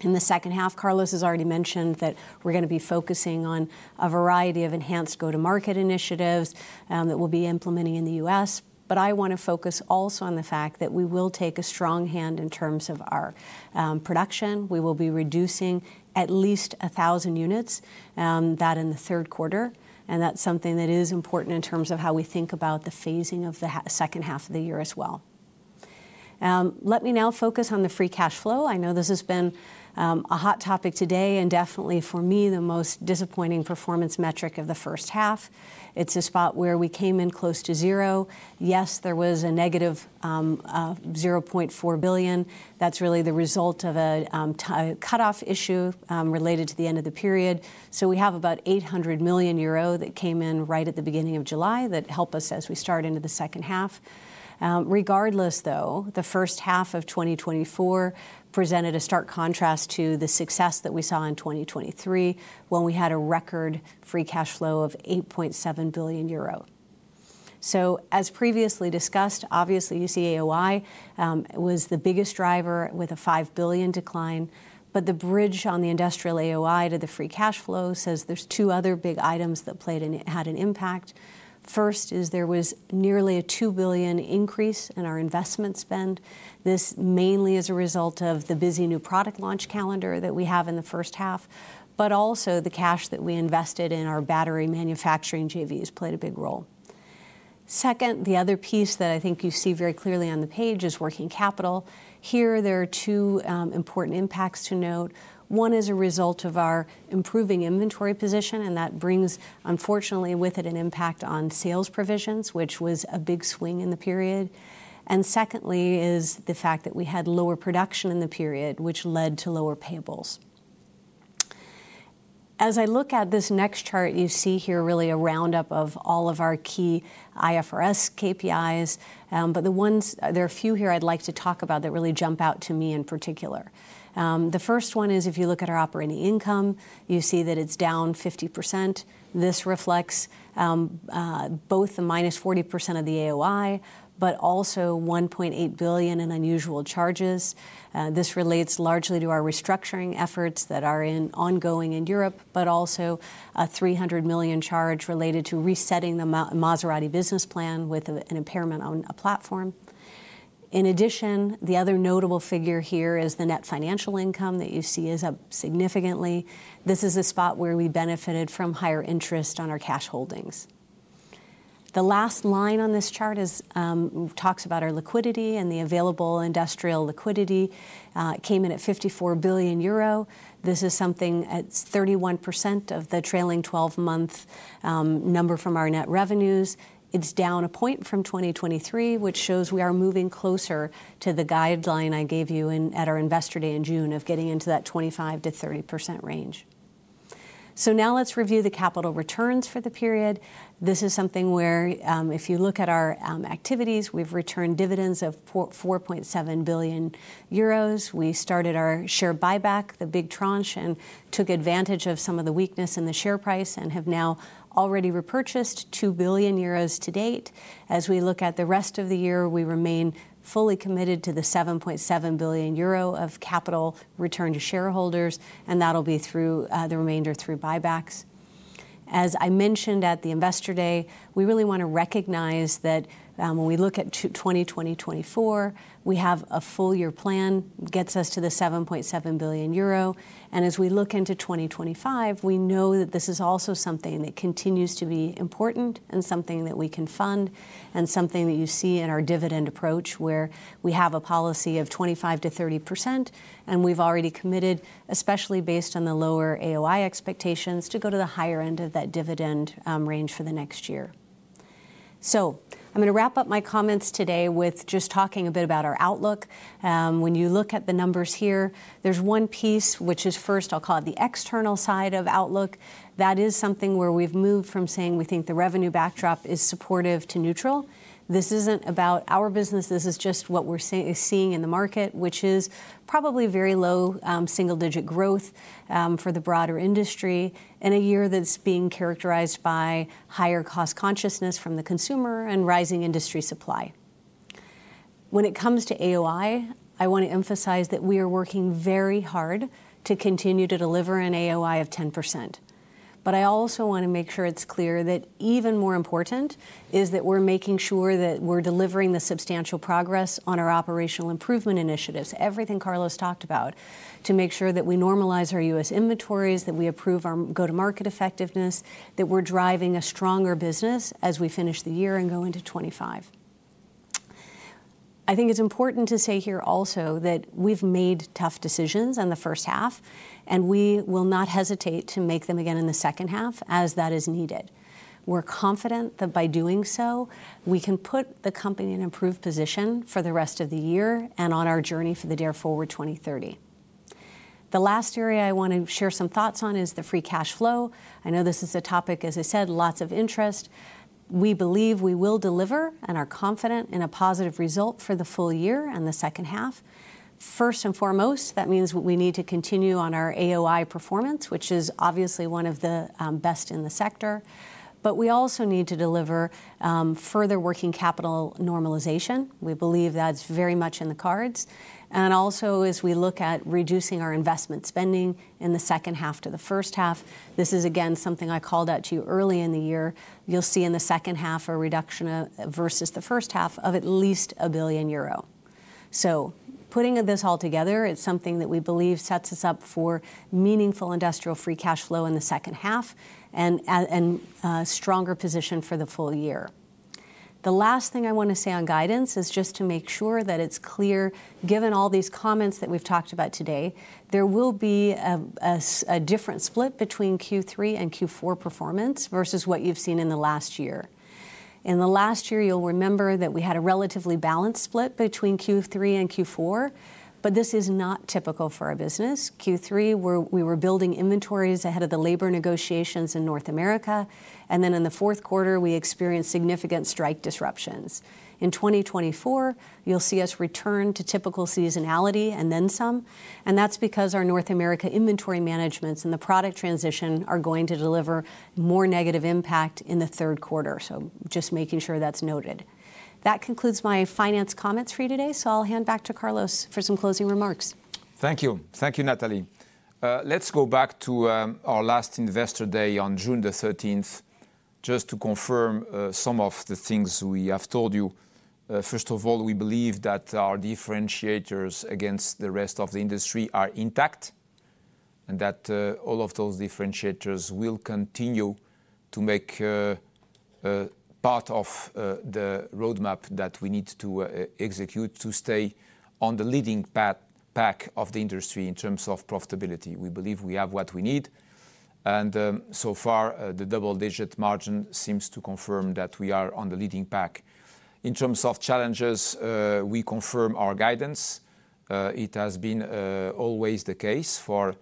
In the second half, Carlos has already mentioned that we're going to be focusing on a variety of enhanced go-to-market initiatives that we'll be implementing in the U.S., but I want to focus also on the fact that we will take a strong hand in terms of our production. We will be reducing at least 1,000 units that in the third quarter, and that's something that is important in terms of how we think about the phasing of the second half of the year as well. And let me now focus on the free cash flow. I know this has been a hot topic today and definitely for me the most disappointing performance metric of the first half. It's a spot where we came in close to zero. Yes, there was a negative 0.4 billion. That's really the result of a cutoff issue related to the end of the period. So we have about 800 million euro that came in right at the beginning of July that helped us as we start into the second half. Regardless, though, the first half of 2024 presented a stark contrast to the success that we saw in 2023 when we had a record free cash flow of 8.7 billion euro. So as previously discussed, obviously you see AOI was the biggest driver with a 5 billion decline, but the bridge on the industrial AOI to the free cash flow says there's two other big items that played and had an impact. First is there was nearly a 2 billion increase in our investment spend. This mainly is a result of the busy new product launch calendar that we have in the first half, but also the cash that we invested in our battery manufacturing JVs played a big role. Second, the other piece that I think you see very clearly on the page is working capital. Here there are two important impacts to note. One is a result of our improving inventory position, and that brings unfortunately with it an impact on sales provisions, which was a big swing in the period. And secondly is the fact that we had lower production in the period, which led to lower payables. As I look at this next chart, you see here really a roundup of all of our key IFRS KPIs, but the ones there are a few here I'd like to talk about that really jump out to me in particular. The first one is if you look at our operating income, you see that it's down 50%. This reflects both the -40% of the AOI, but also 1.8 billion in unusual charges. This relates largely to our restructuring efforts that are ongoing in Europe, but also a 300 million charge related to resetting the Maserati business plan with an impairment on a platform. In addition, the other notable figure here is the net financial income that you see is up significantly. This is a spot where we benefited from higher interest on our cash holdings. The last line on this chart talks about our liquidity and the available industrial liquidity. It came in at 54 billion euro. This is something at 31% of the trailing 12-month number from our net revenues. It's down a point from 2023, which shows we are moving closer to the guideline I gave you at our Investor Day in June of getting into that 25%-30% range. So now let's review the capital returns for the period. This is something where if you look at our activities, we've returned dividends of 4.7 billion euros. We started our share buyback, the big tranche, and took advantage of some of the weakness in the share price and have now already repurchased 2 billion euros to date. As we look at the rest of the year, we remain fully committed to the 7.7 billion euro of capital returned to shareholders, and that'll be through the remainder through buybacks. As I mentioned at the Investor Day, we really want to recognize that when we look at 2024, we have a full year plan that gets us to the 7.7 billion euro. And as we look into 2025, we know that this is also something that continues to be important and something that we can fund and something that you see in our dividend approach where we have a policy of 25%-30%, and we've already committed, especially based on the lower AOI expectations, to go to the higher end of that dividend range for the next year. So I'm going to wrap up my comments today with just talking a bit about our outlook. When you look at the numbers here, there's one piece which is first, I'll call it the external side of outlook. That is something where we've moved from saying we think the revenue backdrop is supportive to neutral. This isn't about our business. This is just what we're seeing in the market, which is probably very low single-digit growth for the broader industry in a year that's being characterized by higher cost consciousness from the consumer and rising industry supply. When it comes to AOI, I want to emphasize that we are working very hard to continue to deliver an AOI of 10%, but I also want to make sure it's clear that even more important is that we're making sure that we're delivering the substantial progress on our operational improvement initiatives, everything Carlos talked about, to make sure that we normalize our U.S. inventories, that we improve our go-to-market effectiveness, that we're driving a stronger business as we finish the year and go into 2025. I think it's important to say here also that we've made tough decisions in the first half, and we will not hesitate to make them again in the second half as that is needed. We're confident that by doing so, we can put the company in an improved position for the rest of the year and on our journey for the Dare Forward 2030. The last area I want to share some thoughts on is the free cash flow. I know this is a topic, as I said, lots of interest. We believe we will deliver and are confident in a positive result for the full year and the second half. First and foremost, that means we need to continue on our AOI performance, which is obviously one of the best in the sector, but we also need to deliver further working capital normalization. We believe that's very much in the cards. And also, as we look at reducing our investment spending in the second half to the first half, this is again something I called out to you early in the year. You'll see in the second half a reduction versus the first half of at least 1 billion euro. So putting this all together, it's something that we believe sets us up for meaningful industrial free cash flow in the second half and a stronger position for the full year. The last thing I want to say on guidance is just to make sure that it's clear, given all these comments that we've talked about today, there will be a different split between Q3 and Q4 performance versus what you've seen in the last year. In the last year, you'll remember that we had a relatively balanced split between Q3 and Q4, but this is not typical for our business. Q3, we were building inventories ahead of the labor negotiations in North America, and then in the fourth quarter, we experienced significant strike disruptions. In 2024, you'll see us return to typical seasonality and then some, and that's because our North America inventory managements and the product transition are going to deliver more negative impact in the third quarter. So just making sure that's noted. That concludes my finance comments for you today, so I'll hand back to Carlos for some closing remarks. Thank you. Thank you, Natalie. Let's go back to our last Investor Day on June the 13th, just to confirm some of the things we have told you. First of all, we believe that our differentiators against the rest of the industry are intact and that all of those differentiators will continue to make part of the roadmap that we need to execute to stay on the leading pack pack of the industry in terms of profitability. We believe we have what we need, and so far, the double-digit margin seems to confirm that we are on the leading pack. In terms of challenges, we confirm our guidance. It has been always the case for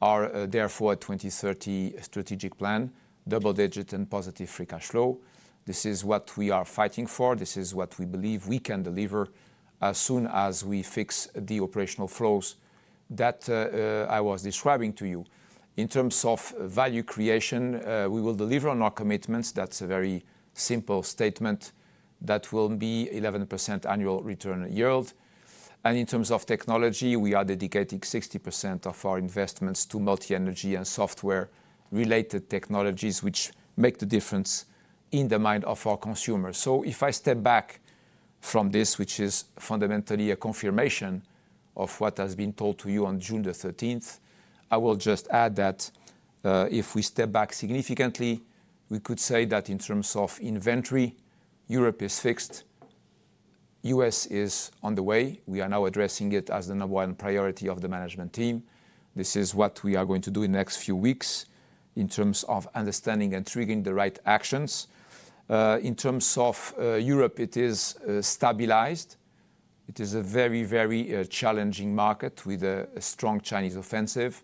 our Dare Forward 2030 strategic plan, double-digit and positive free cash flow. This is what we are fighting for. This is what we believe we can deliver as soon as we fix the operational flows that I was describing to you. In terms of value creation, we will deliver on our commitments. That's a very simple statement that will be 11% annual return yield. And in terms of technology, we are dedicating 60% of our investments to multi-energy and software-related technologies, which make the difference in the mind of our consumers. So if I step back from this, which is fundamentally a confirmation of what has been told to you on June the 13th, I will just add that if we step back significantly, we could say that in terms of inventory, Europe is fixed. The U.S. is on the way. We are now addressing it as the number one priority of the management team. This is what we are going to do in the next few weeks in terms of understanding and triggering the right actions. In terms of Europe, it is stabilized. It is a very, very challenging market with a strong Chinese offensive.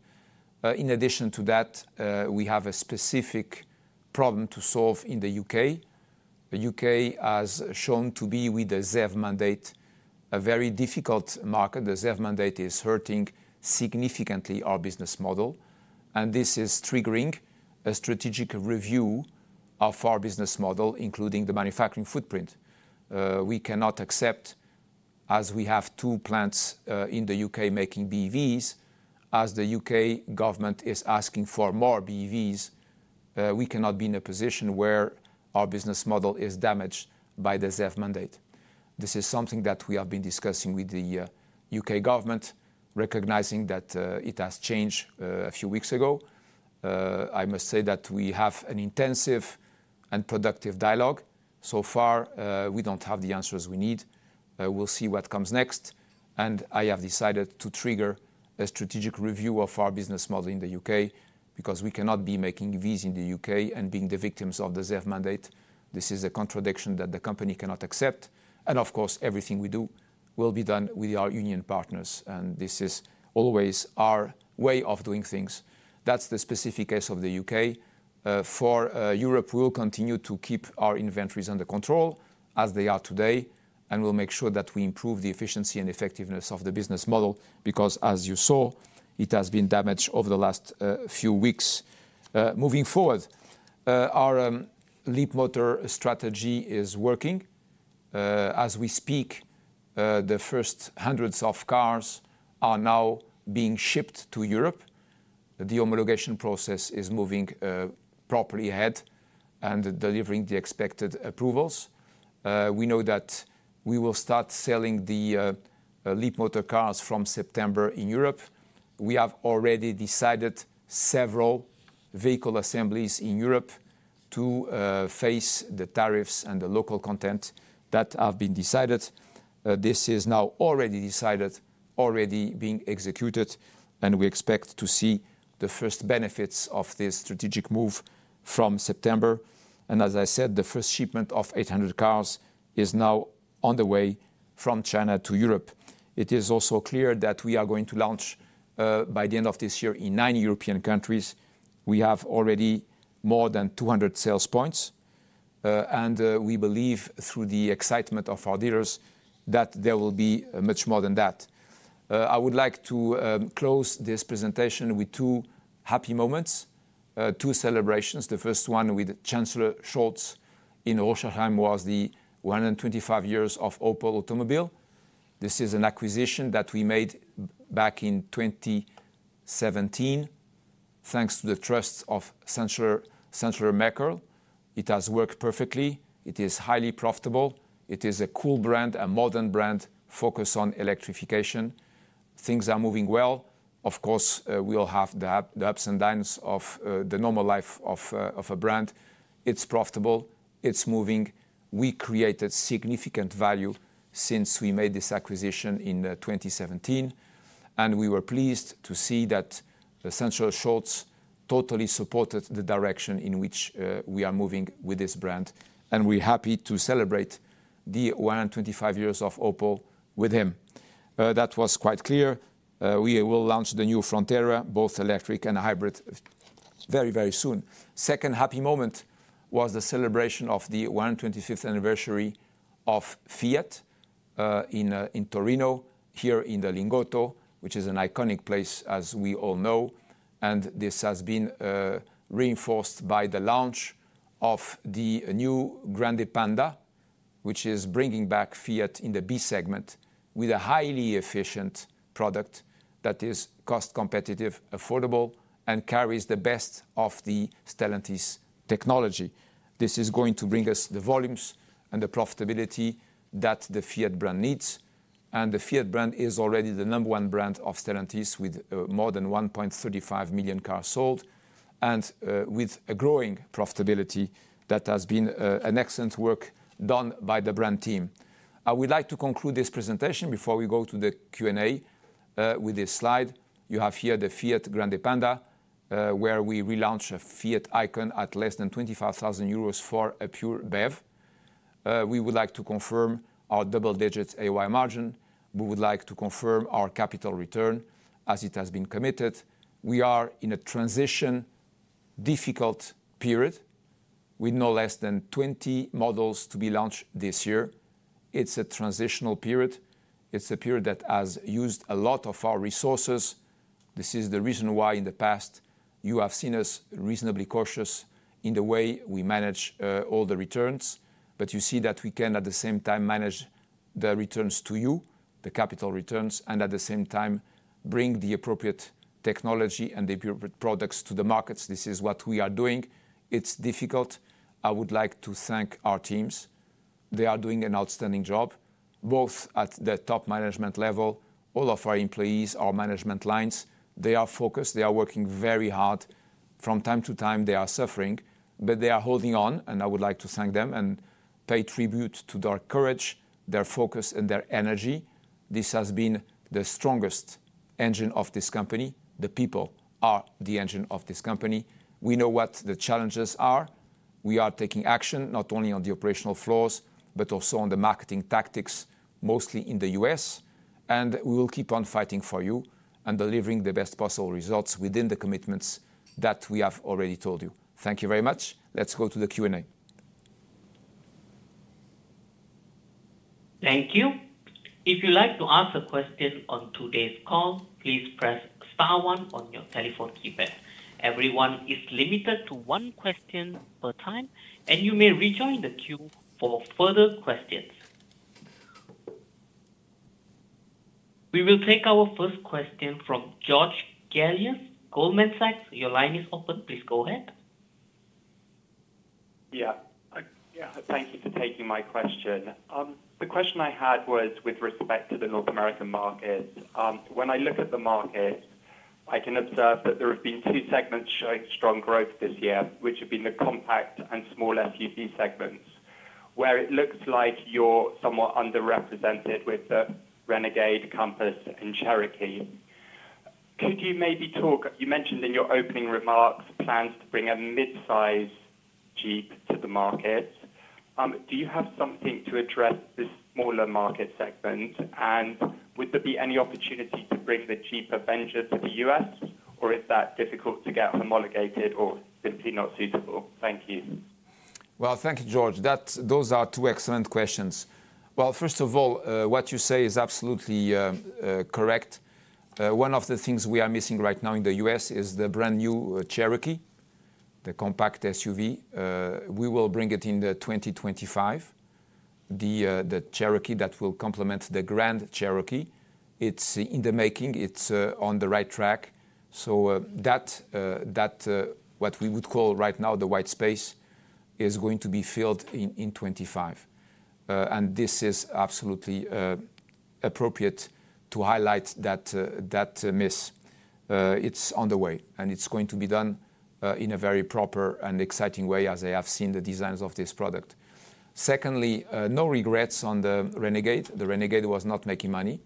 But in addition to that, we have a specific problem to solve in the U.K. The U.K. has shown to be, with the ZEV mandate, a very difficult market. The ZEV mandate is hurting significantly our business model, and this is triggering a strategic review of our business model, including the manufacturing footprint. We cannot accept, as we have two plants in the U.K. making BEVs, as the U.K. government is asking for more BEVs. We cannot be in a position where our business model is damaged by the ZEV mandate. This is something that we have been discussing with the UK government, recognizing that it has changed a few weeks ago. I must say that we have an intensive and productive dialogue. So far, we don't have the answers we need. We'll see what comes next, and I have decided to trigger a strategic review of our business model in the U.K. because we cannot be making EVs in the U.K. and being the victims of the ZEV mandate. This is a contradiction that the company cannot accept. And of course, everything we do will be done with our union partners, and this is always our way of doing things. That's the specific case of the U.K. For Europe, we'll continue to keep our inventories under control as they are today, and we'll make sure that we improve the efficiency and effectiveness of the business model because, as you saw, it has been damaged over the last few weeks. Moving forward, our Leapmotor strategy is working. As we speak, the first hundreds of cars are now being shipped to Europe. The homologation process is moving properly ahead and delivering the expected approvals. We know that we will start selling the Leapmotor cars from September in Europe. We have already decided several vehicle assemblies in Europe to face the tariffs and the local content that have been decided. This is now already decided, already being executed, and we expect to see the first benefits of this strategic move from September. And as I said, the first shipment of 800 cars is now on the way from China to Europe. It is also clear that we are going to launch by the end of this year in 9 European countries. We have already more than 200 sales points, and we believe through the excitement of our dealers that there will be much more than that. I would like to close this presentation with 2 happy moments, 2 celebrations. The first one with Chancellor Scholz in Rüsselsheim was the 125 years of Opel Automobile. This is an acquisition that we made back in 2017 thanks to the trust of Chancellor Chancellor Merkel. It has worked perfectly. It is highly profitable. It is a cool brand, a modern brand focused on electrification. Things are moving well. Of course, we'll have the ups and downs of the normal life of of a brand. It's profitable. It's moving. We created significant value since we made this acquisition in 2017, and we were pleased to see that Chancellor Scholz totally supported the direction in which we are moving with this brand, and we're happy to celebrate the 125 years of Opel with him. That was quite clear. We will launch the new Frontera, both electric and hybrid, very, very soon. The second happy moment was the celebration of the 125th anniversary of Fiat in Torino, here in the Lingotto, which is an iconic place, as we all know. And this has been reinforced by the launch of the new Grande Panda, which is bringing back Fiat in the B segment with a highly efficient product that is cost competitive, affordable, and carries the best of the Stellantis technology. This is going to bring us the volumes and the profitability that the Fiat brand needs. The Fiat brand is already the number one brand of Stellantis with more than 1.35 million cars sold and with a growing profitability that has been an excellent work done by the brand team. I would like to conclude this presentation before we go to the Q&A with this slide. You have here the Fiat Grande Panda, where we relaunch a Fiat icon at less than 25,000 euros for a pure BEV. We would like to confirm our double-digit AOI margin. We would like to confirm our capital return as it has been committed. We are in a transition difficult period with no less than 20 models to be launched this year. It's a transitional period. It's a period that has used a lot of our resources. This is the reason why in the past you have seen us reasonably cautious in the way we manage all the returns, but you see that we can at the same time manage the returns to you, the capital returns, and at the same time bring the appropriate technology and the appropriate products to the markets. This is what we are doing. It's difficult. I would like to thank our teams. They are doing an outstanding job, both at the top management level, all of our employees, our management lines. They are focused. They are working very hard. From time to time, they are suffering, but they are holding on, and I would like to thank them and pay tribute to their courage, their focus, and their energy. This has been the strongest engine of this company. The people are the engine of this company. We know what the challenges are. We are taking action not only on the operational floors, but also on the marketing tactics, mostly in the U.S., and we will keep on fighting for you and delivering the best possible results within the commitments that we have already told you. Thank you very much. Let's go to the Q&A. Thank you. If you'd like to ask a question on today's call, please press star one on your telephone keypad. Everyone is limited to one question per time, and you may rejoin the queue for further questions. We will take our first question from George Galliers, Goldman Sachs. Your line is open. Please go ahead. Yeah. Thank you for taking my question. The question I had was with respect to the North American market. When I look at the market, I can observe that there have been two segments showing strong growth this year, which have been the compact and small SUV segments, where it looks like you're somewhat underrepresented with the Renegade, Compass, and Cherokee. Could you maybe talk? You mentioned in your opening remarks plans to bring a mid-size Jeep to the market. Do you have something to address this smaller market segment? And would there be any opportunity to bring the Jeep Avenger to the U.S., or is that difficult to get homologated or simply not suitable? Thank you. Well, thank you, George. Those are two excellent questions. Well, first of all, what you say is absolutely correct. One of the things we are missing right now in the U.S. is the brand new Cherokee, the compact SUV. We will bring it in 2025, the Cherokee that will complement the Grand Cherokee. It's in the making. It's on the right track. So that that, what we would call right now the white space, is going to be filled in 2025. And this is absolutely appropriate to highlight that that miss. It's on the way, and it's going to be done in a very proper and exciting way, as I have seen the designs of this product. Secondly, no regrets on the Renegade. The Renegade was not making money.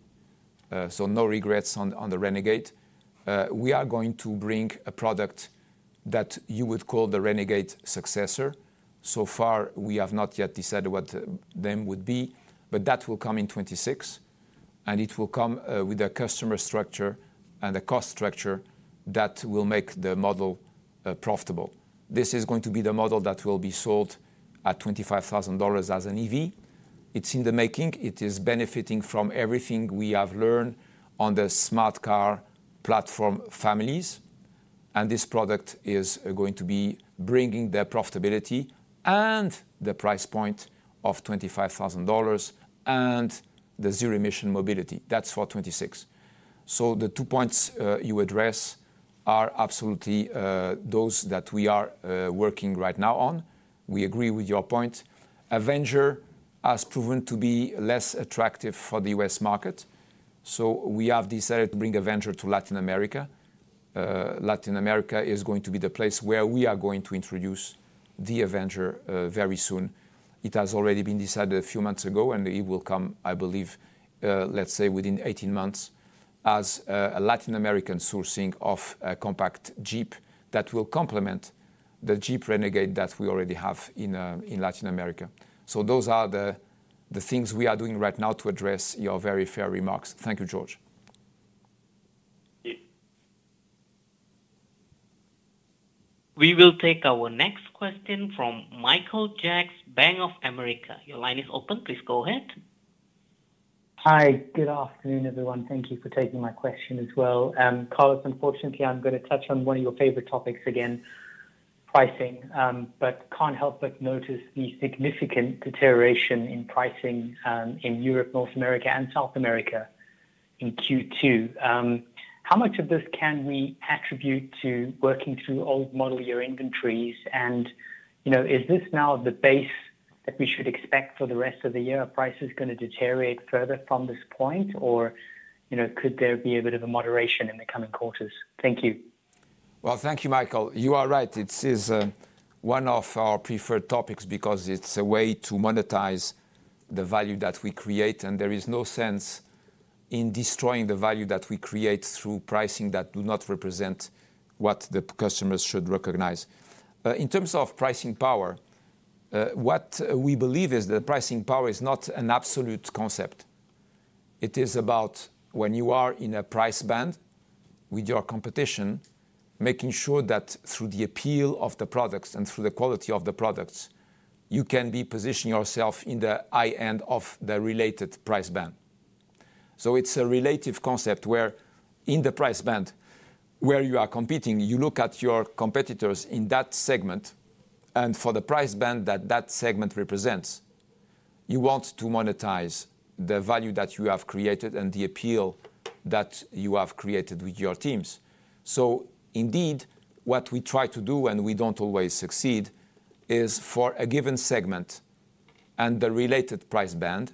So no regrets on the Renegade. We are going to bring a product that you would call the Renegade successor. So far, we have not yet decided what name would be, but that will come in 2026, and it will come with a customer structure and a cost structure that will make the model profitable. This is going to be the model that will be sold at $25,000 as an EV. It's in the making. It is benefiting from everything we have learned on the Smart Car platform families. And this product is going to be bringing the profitability and the price point of $25,000 and the zero-emission mobility. That's for 2026. So the two points you address are absolutely those that we are working right now on. We agree with your point. Avenger has proven to be less attractive for the U.S. market. So we have decided to bring Avenger to Latin America. Latin America is going to be the place where we are going to introduce the Avenger very soon. It has already been decided a few months ago, and it will come, I believe, let's say within 18 months, as a Latin American sourcing of a compact Jeep that will complement the Jeep Renegade that we already have in in Latin America. Those are the things we are doing right now to address your very fair remarks. Thank you, George. We will take our next question from Michael Jacks, Bank of America. Your line is open. Please go ahead. Hi. Good afternoon, everyone. Thank you for taking my question as well. Carlos, unfortunately, I'm going to touch on one of your favorite topics again, pricing, but can't help but notice the significant deterioration in pricing in Europe, North America, and South America in Q2. How much of this can we attribute to working through old model year inventories? And, you know, is this now the base that we should expect for the rest of the year? Are prices going to deteriorate further from this point, or you know, could there be a bit of a moderation in the coming quarters? Thank you. Well, thank you, Michael. You are right. It is one of our preferred topics because it's a way to monetize the value that we create, and there is no sense in destroying the value that we create through pricing that do not represent what the customers should recognize. In terms of pricing power, what we believe is that pricing power is not an absolute concept. It is about when you are in a price band with your competition, making sure that through the appeal of the products and through the quality of the products, you can be positioning yourself in the high end of the related price band. So it's a relative concept where in the price band where you are competing, you look at your competitors in that segment, and for the price band that that segment represents, you want to monetize the value that you have created and the appeal that you have created with your teams. So indeed, what we try to do, and we don't always succeed, is for a given segment and the related price band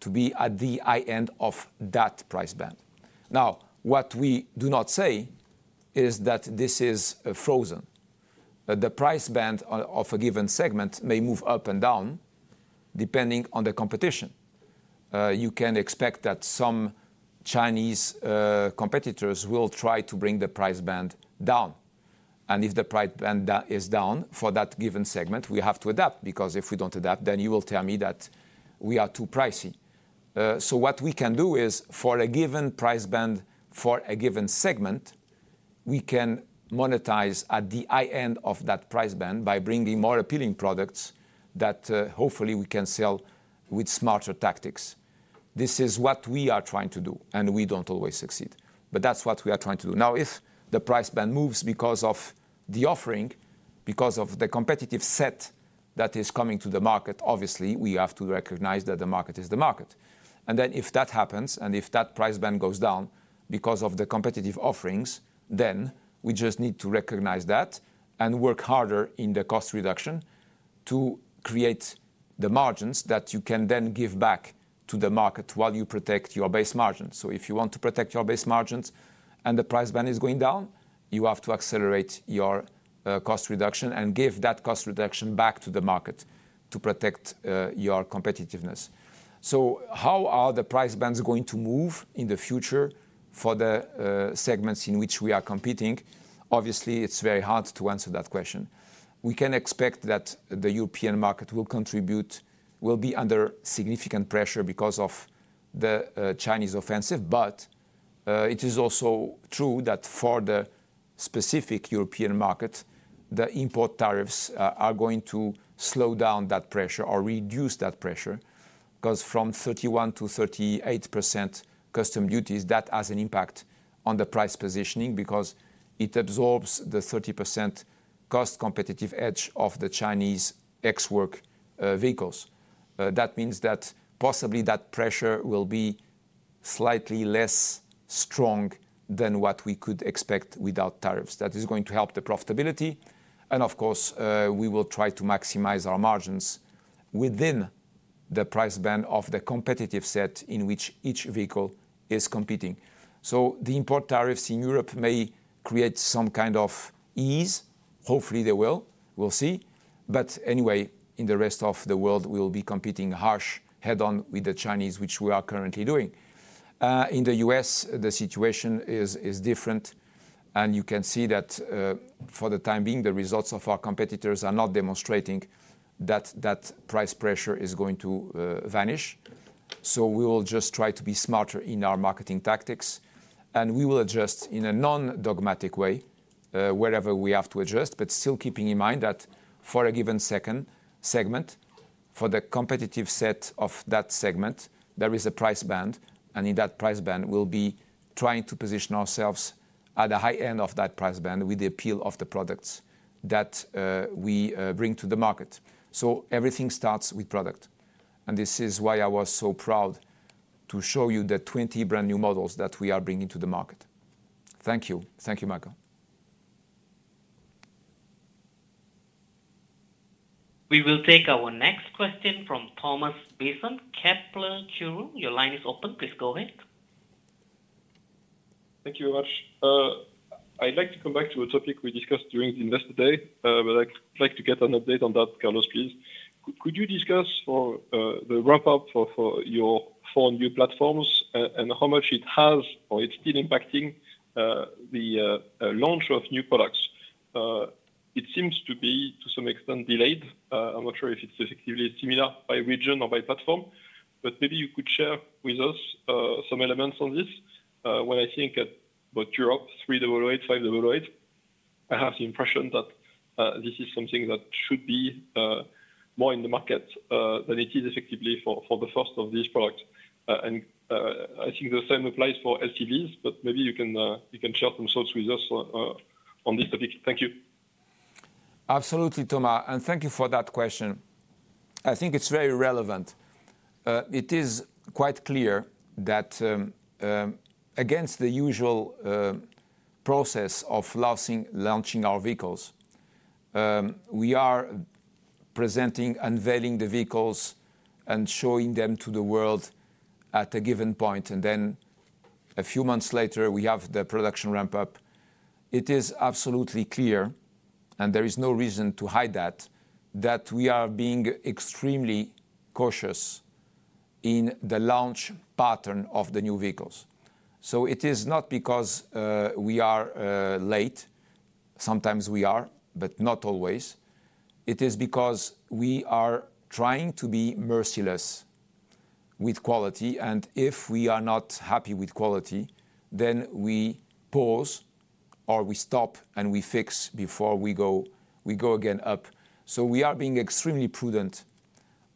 to be at the high end of that price band. Now, what we do not say is that this is frozen. The price band of a given segment may move up and down depending on the competition. You can expect that some Chinese competitors will try to bring the price band down. And if the price band is down for that given segment, we have to adapt because if we don't adapt, then you will tell me that we are too pricey. So what we can do is for a given price band for a given segment, we can monetize at the high end of that price band by bringing more appealing products that hopefully we can sell with smarter tactics. This is what we are trying to do, and we don't always succeed, but that's what we are trying to do. Now, if the price band moves because of the offering, because of the competitive set that is coming to the market, obviously, we have to recognize that the market is the market. And then if that happens and if that price band goes down because of the competitive offerings, then we just need to recognize that and work harder in the cost reduction to create the margins that you can then give back to the market while you protect your base margins. So if you want to protect your base margins and the price band is going down, you have to accelerate your cost reduction and give that cost reduction back to the market to protect your competitiveness. So how are the price bands going to move in the future for the segments in which we are competing? Obviously, it's very hard to answer that question. We can expect that the European market will contribute, will be under significant pressure because of the Chinese offensive. But it is also true that for the specific European market, the import tariffs are going to slow down that pressure or reduce that pressure because from 31%-38% customs duties, that has an impact on the price positioning because it absorbs the 30% cost competitive edge of the Chinese Ex Works vehicles. That means that possibly that pressure will be slightly less strong than what we could expect without tariffs. That is going to help the profitability. And of course, we will try to maximize our margins within the price band of the competitive set in which each vehicle is competing. So the import tariffs in Europe may create some kind of ease. Hopefully, they will. We'll see. But anyway, in the rest of the world, we will be competing harsh head-on with the Chinese, which we are currently doing. In the U.S., the situation is is different. You can see that for the time being, the results of our competitors are not demonstrating that that price pressure is going to vanish. So we will just try to be smarter in our marketing tactics, and we will adjust in a non-dogmatic way wherever we have to adjust, but still keeping in mind that for a given second segment, for the competitive set of that segment, there is a price band. And in that price band, we'll be trying to position ourselves at the high end of that price band with the appeal of the products that we bring to the market. So everything starts with product. And this is why I was so proud to show you the 20 brand new models that we are bringing to the market. Thank you. Thank you, Michael. We will take our next question from Thomas Besson, Kepler Cheuvreux. Your line is open. Please go ahead. Thank you very much. I'd like to come back to a topic we discussed during the Investor Day, but I'd like to get an update on that, Carlos, please. Could you discuss the ramp-up for your 4 new platforms and how much it has or it's still impacting the launch of new products? It seems to be, to some extent, delayed. I'm not sure if it's effectively similar by region or by platform, but maybe you could share with us some elements on this. When I think about Europe 3008, 5008, I have the impression that this is something that should be more in the market than it is effectively for the first of these products. And I think the same applies for LCVs, but maybe you can share some thoughts with us on this topic. Thank you. Absolutely, Thomas, and thank you for that question. I think it's very relevant. It is quite clear that against the usual process of launching our vehicles, we are presenting, unveiling the vehicles and showing them to the world at a given point. And then a few months later, we have the production ramp-up. It is absolutely clear, and there is no reason to hide that, that we are being extremely cautious in the launch pattern of the new vehicles. So it is not because we are late. Sometimes we are, but not always. It is because we are trying to be merciless with quality. And if we are not happy with quality, then we pause or we stop and we fix before we go, we go again up. So we are being extremely prudent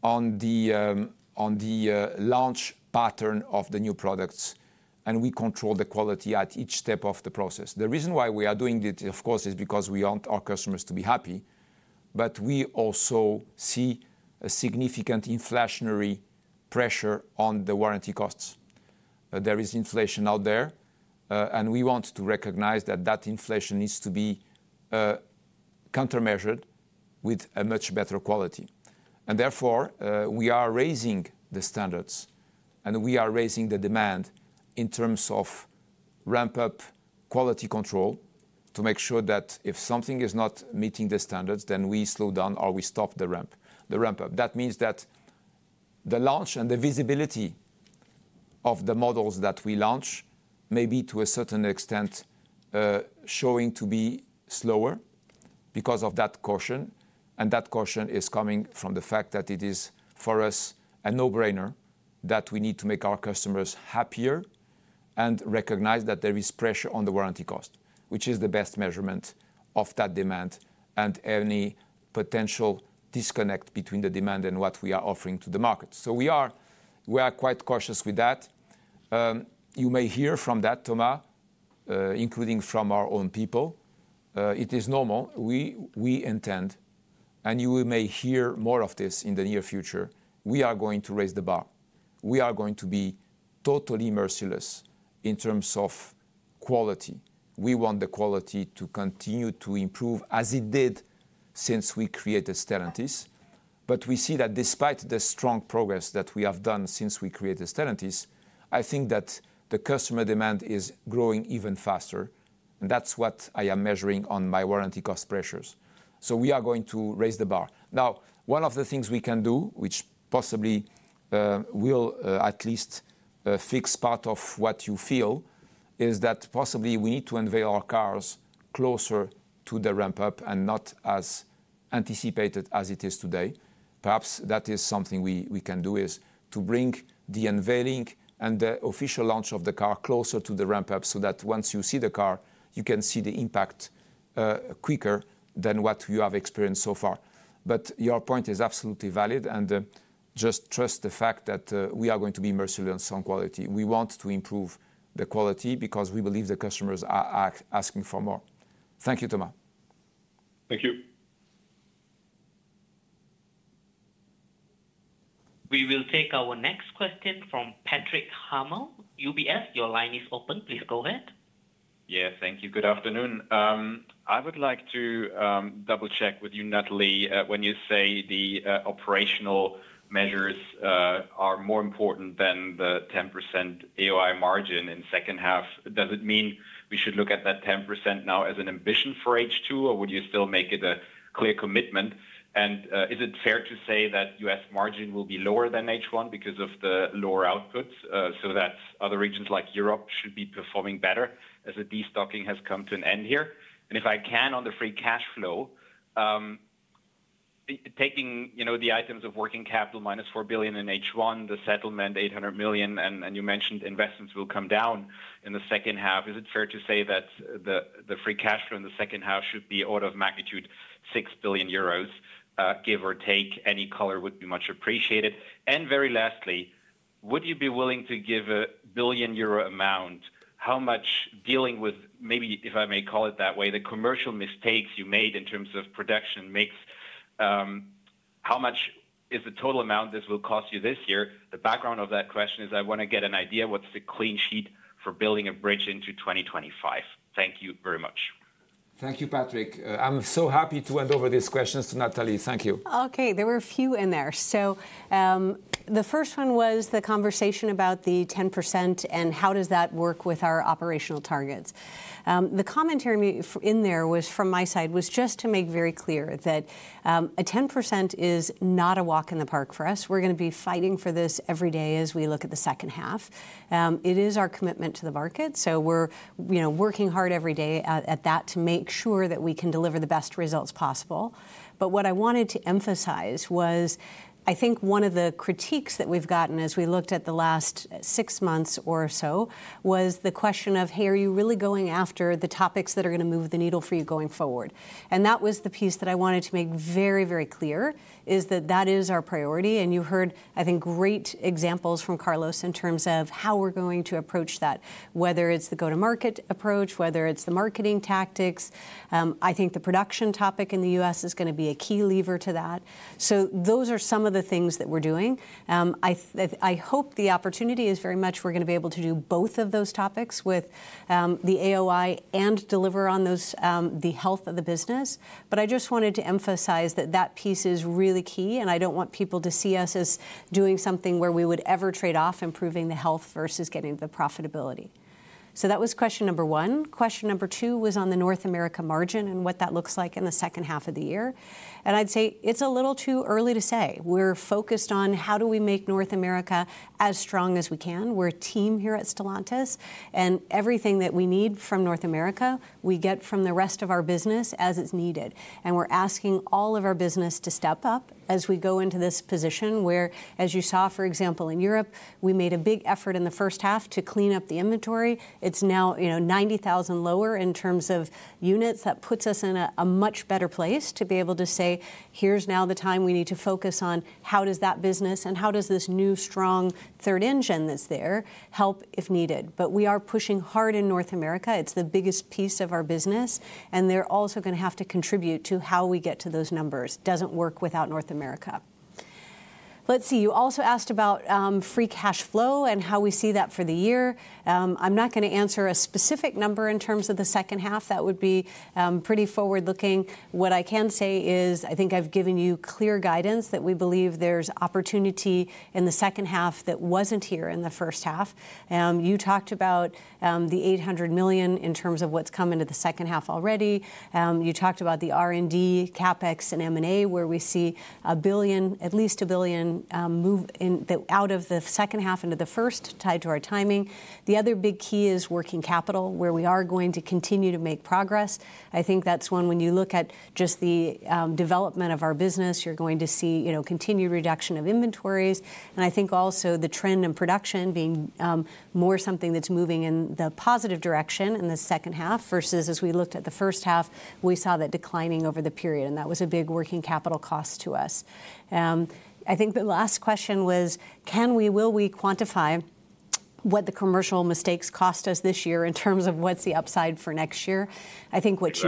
on the launch pattern of the new products, and we control the quality at each step of the process. The reason why we are doing it, of course, is because we want our customers to be happy, but we also see a significant inflationary pressure on the warranty costs. And there is inflation out there, and we want to recognize that that inflation needs to be countermeasured with a much better quality. And therefore, we are raising the standards, and we are raising the demand in terms of ramp-up quality control to make sure that if something is not meeting the standards, then we slow down or we stop the ramp-up. That means that the launch and the visibility of the models that we launch may be, to a certain extent, showing to be slower because of that caution. And that caution is coming from the fact that it is, for us, a no-brainer that we need to make our customers happier and recognize that there is pressure on the warranty cost, which is the best measurement of that demand and any potential disconnect between the demand and what we are offering to the market. So we are quite cautious with that. You may hear from that, Thomas, including from our own people. It is normal. We we intend, and you may hear more of this in the near future, we are going to raise the bar. We are going to be totally merciless in terms of quality. We want the quality to continue to improve as it did since we created Stellantis. But we see that despite the strong progress that we have done since we created Stellantis, I think that the customer demand is growing even faster. That's what I am measuring on my warranty cost pressures. So we are going to raise the bar. Now, one of the things we can do, which possibly will at least fix part of what you feel, is that possibly we need to unveil our cars closer to the ramp-up and not as anticipated as it is today. Perhaps that is something we can do, is to bring the unveiling and the official launch of the car closer to the ramp-up so that once you see the car, you can see the impact quicker than what you have experienced so far. But your point is absolutely valid, and just trust the fact that we are going to be merciless on quality. We want to improve the quality because we believe the customers are asking for more. Thank you, Thomas. Thank you. We will take our next question from Patrick Hummel, UBS. Your line is open. Please go ahead. Yes, thank you. Good afternoon. I would like to double-check with you, Natalie, when you say the operational measures are more important than the 10% AOI margin in second half. Does it mean we should look at that 10% now as an ambition for H2, or would you still make it a clear commitment? And is it fair to say that U.S. margin will be lower than H1 because of the lower output so that other regions like Europe should be performing better as the destocking has come to an end here? If I can, on the free cash flow, taking the items of working capital minus 4 billion in H1, the settlement, 800 million, and you mentioned investments will come down in the second half, is it fair to say that the free cash flow in the second half should be order of magnitude 6 billion euros, give or take? Any color would be much appreciated. Very lastly, would you be willing to give a billion euro amount? How much dealing with, maybe if I may call it that way, the commercial mistakes you made in terms of production mix how much is the total amount this will cost you this year? The background of that question is I want to get an idea what's the clean sheet for building a bridge into 2025. Thank you very much. Thank you, Patrick. I'm so happy to hand over these questions to Natalie. Thank you. Okay. There were a few in there. So the first one was the conversation about the 10% and how does that work with our operational targets. The commentary in there was from my side was just to make very clear that a 10% is not a walk in the park for us. We're going to be fighting for this every day as we look at the second half. It is our commitment to the market. So we're working hard every day at that to make sure that we can deliver the best results possible. But what I wanted to emphasize was, I think one of the critiques that we've gotten as we looked at the last six months or so was the question of, hey, are you really going after the topics that are going to move the needle for you going forward? And that was the piece that I wanted to make very, very clear is that that is our priority. You heard, I think, great examples from Carlos in terms of how we're going to approach that, whether it's the go-to-market approach, whether it's the marketing tactics. I think the production topic in the U.S. is going to be a key lever to that. So those are some of the things that we're doing. I hope the opportunity is very much we're going to be able to do both of those topics with the AOI and deliver on the health of the business. But I just wanted to emphasize that that piece is really key, and I don't want people to see us as doing something where we would ever trade off improving the health versus getting the profitability. So that was question number one. Question number 2 was on the North America margin and what that looks like in the second half of the year. I'd say it's a little too early to say. We're focused on how do we make North America as strong as we can. We're a team here at Stellantis, and everything that we need from North America, we get from the rest of our business as it's needed. We're asking all of our business to step up as we go into this position where, as you saw, for example, in Europe, we made a big effort in the first half to clean up the inventory. It's now 90,000 lower in terms of units. That puts us in a much better place to be able to say, here's now the time we need to focus on how does that business and how does this new strong third engine that's there help if needed. But we are pushing hard in North America. It's the biggest piece of our business, and they're also going to have to contribute to how we get to those numbers. It doesn't work without North America. Let's see. You also asked about free cash flow and how we see that for the year. I'm not going to answer a specific number in terms of the second half. That would be pretty forward-looking. What I can say is I think I've given you clear guidance that we believe there's opportunity in the second half that wasn't here in the first half. You talked about the 800 million in terms of what's come into the second half already. You talked about the R&D, CapEx, and M&A where we see 1 billion, at least 1 billion, move out of the second half into the first tied to our timing. The other big key is working capital where we are going to continue to make progress. I think that's one when you look at just the development of our business, you're going to see continued reduction of inventories. And I think also the trend in production being more something that's moving in the positive direction in the second half versus as we looked at the first half, we saw that declining over the period. And that was a big working capital cost to us. I think the last question was, can we, will we quantify what the commercial mistakes cost us this year in terms of what's the upside for next year? I think what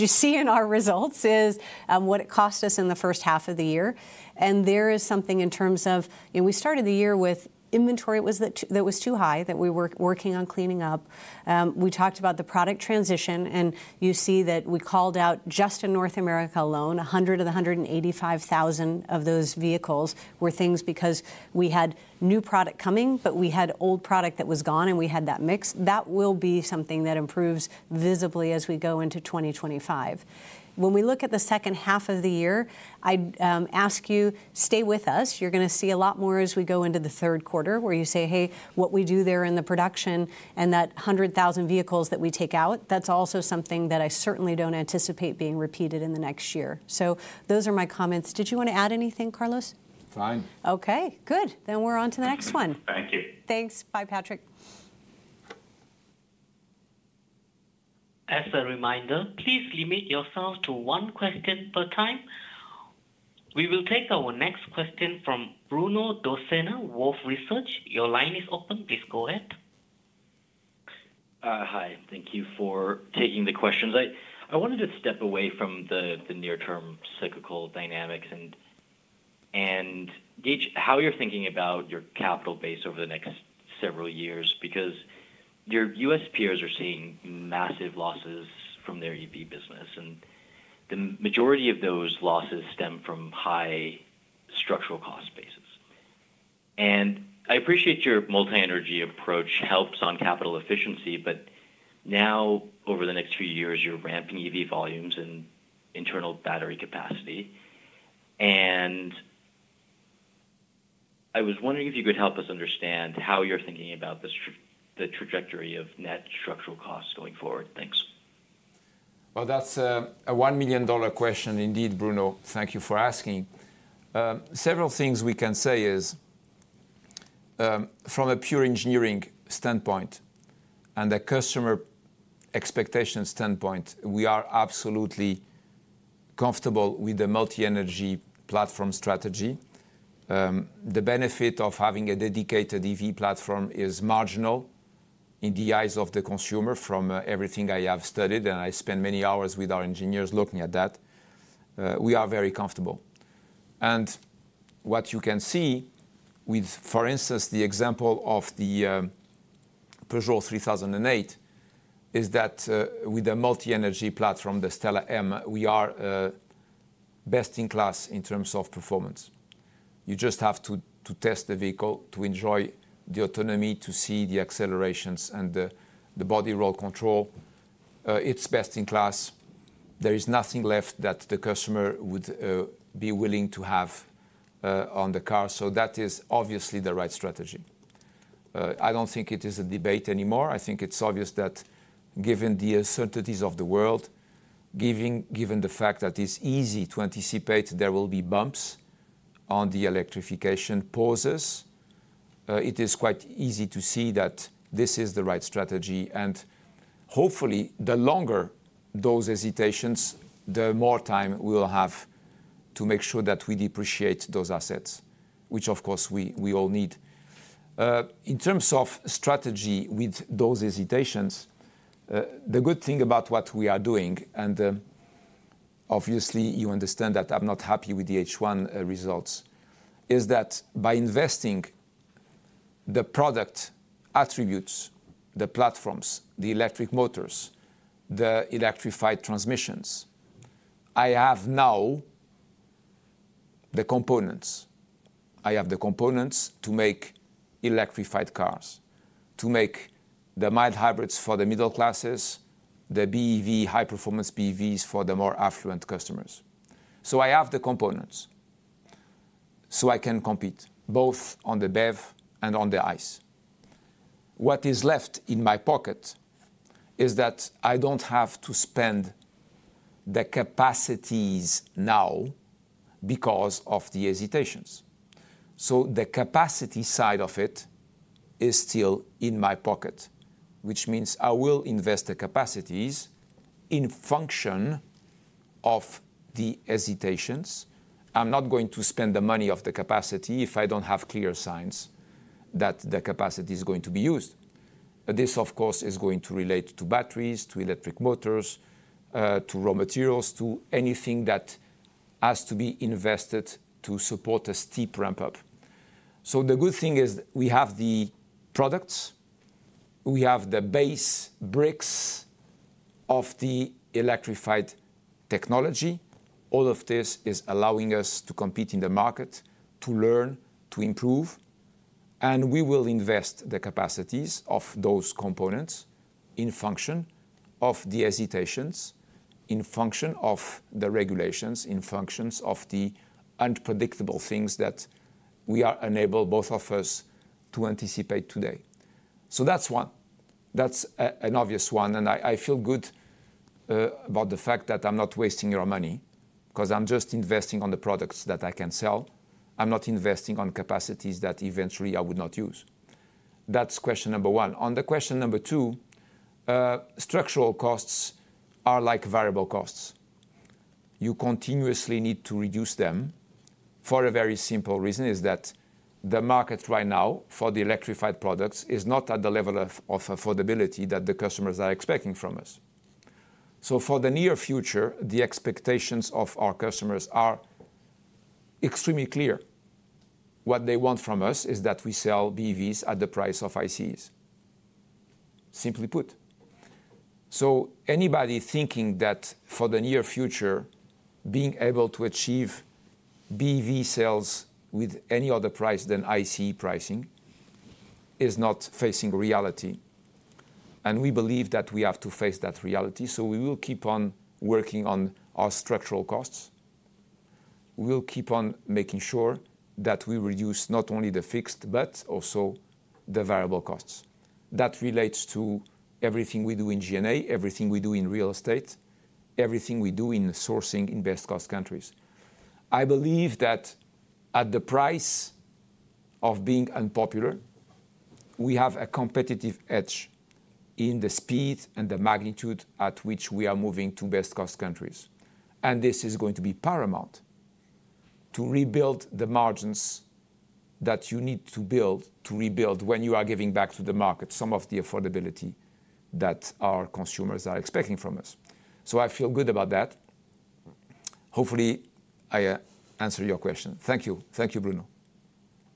you see in our results is what it cost us in the first half of the year. There is something in terms of we started the year with inventory that was too high that we were working on cleaning up. We talked about the product transition, and you see that we called out just in North America alone, 100 of the 185,000 of those vehicles were things because we had new product coming, but we had old product that was gone, and we had that mix. That will be something that improves visibly as we go into 2025. When we look at the second half of the year, I ask you, stay with us. You're going to see a lot more as we go into the third quarter where you say, hey, what we do there in the production and that 100,000 vehicles that we take out, that's also something that I certainly don't anticipate being repeated in the next year. So those are my comments. Did you want to add anything, Carlos? Fine. Okay. Good. Then we're on to the next one. Thank you. Thanks. Bye, Patrick. As a reminder, please limit yourself to one question per time. We will take our next question from Bruno Dossena of Wolfe Research. Your line is open. Please go ahead. Hi. Thank you for taking the questions. I wanted to step away from the near-term cyclical dynamics and gauge how you're thinking about your capital base over the next several years because your U.S. peers are seeing massive losses from their EV business. And the majority of those losses stem from high structural cost basis. And I appreciate your multi-energy approach helps on capital efficiency, but now over the next few years, you're ramping EV volumes and internal battery capacity. And I was wondering if you could help us understand how you're thinking about the trajectory of net structural costs going forward. Thanks. Well, that's a $1 million question. Indeed, Bruno, thank you for asking. Several things we can say is from a pure engineering standpoint and a customer expectation standpoint, we are absolutely comfortable with the multi-energy platform strategy. The benefit of having a dedicated EV platform is marginal in the eyes of the consumer from everything I have studied, and I spend many hours with our engineers looking at that. We are very comfortable. And what you can see with, for instance, the example of the Peugeot 3008 is that with a multi-energy platform, the STLA Medium, we are best in class in terms of performance. You just have to test the vehicle to enjoy the autonomy, to see the accelerations and the body roll control. It's best in class. There is nothing left that the customer would be willing to have on the car. So that is obviously the right strategy. I don't think it is a debate anymore. I think it's obvious that given the uncertainties of the world, given given the fact that it's easy to anticipate there will be bumps on the electrification pauses, it is quite easy to see that this is the right strategy. And hopefully, the longer those hesitations, the more time we'll have to make sure that we depreciate those assets, which, of course, we all need. In terms of strategy with those hesitations, the good thing about what we are doing, and obviously, you understand that I'm not happy with the H1 results, is that by investing the product attributes, the platforms, the electric motors, the electrified transmissions, I have now the components. I have the components to make electrified cars, to make the mild hybrids for the middle classes, the BEV, high-performance BEVs for the more affluent customers. So I have the components so I can compete both on the BEV and on the ICE. What is left in my pocket is that I don't have to spend the capacities now because of the hesitations. So the capacity side of it is still in my pocket, which means I will invest the capacities in function of the hesitations. I'm not going to spend the money of the capacity if I don't have clear signs that the capacity is going to be used. This, of course, is going to relate to batteries, to electric motors, to raw materials, to anything that has to be invested to support a steep ramp-up. So the good thing is we have the products. We have the base bricks of the electrified technology. All of this is allowing us to compete in the market, to learn, to improve. And we will invest the capacities of those components in function of the hesitations, in function of the regulations, in functions of the unpredictable things that we are unable both of us to anticipate today. So that's one. That's an obvious one. I feel good about the fact that I'm not wasting your money because I'm just investing on the products that I can sell. I'm not investing on capacities that eventually I would not use. That's question number one. On the question number two, structural costs are like variable costs. You continuously need to reduce them for a very simple reason is that the market right now for the electrified products is not at the level of affordability that the customers are expecting from us. So for the near future, the expectations of our customers are extremely clear. What they want from us is that we sell BEVs at the price of ICEs, simply put. So anybody thinking that for the near future, being able to achieve BEV sales with any other price than ICE pricing is not facing reality. And we believe that we have to face that reality. So we will keep on working on our structural costs. We will keep on making sure that we reduce not only the fixed, but also the variable costs. That relates to everything we do in G&A, everything we do in real estate, everything we do in sourcing in best-cost countries. I believe that at the price of being unpopular, we have a competitive edge in the speed and the magnitude at which we are moving to best-cost countries. And this is going to be paramount to rebuild the margins that you need to build to rebuild when you are giving back to the market some of the affordability that our consumers are expecting from us. So I feel good about that. Hopefully, I answered your question. Thank you. Thank you, Bruno.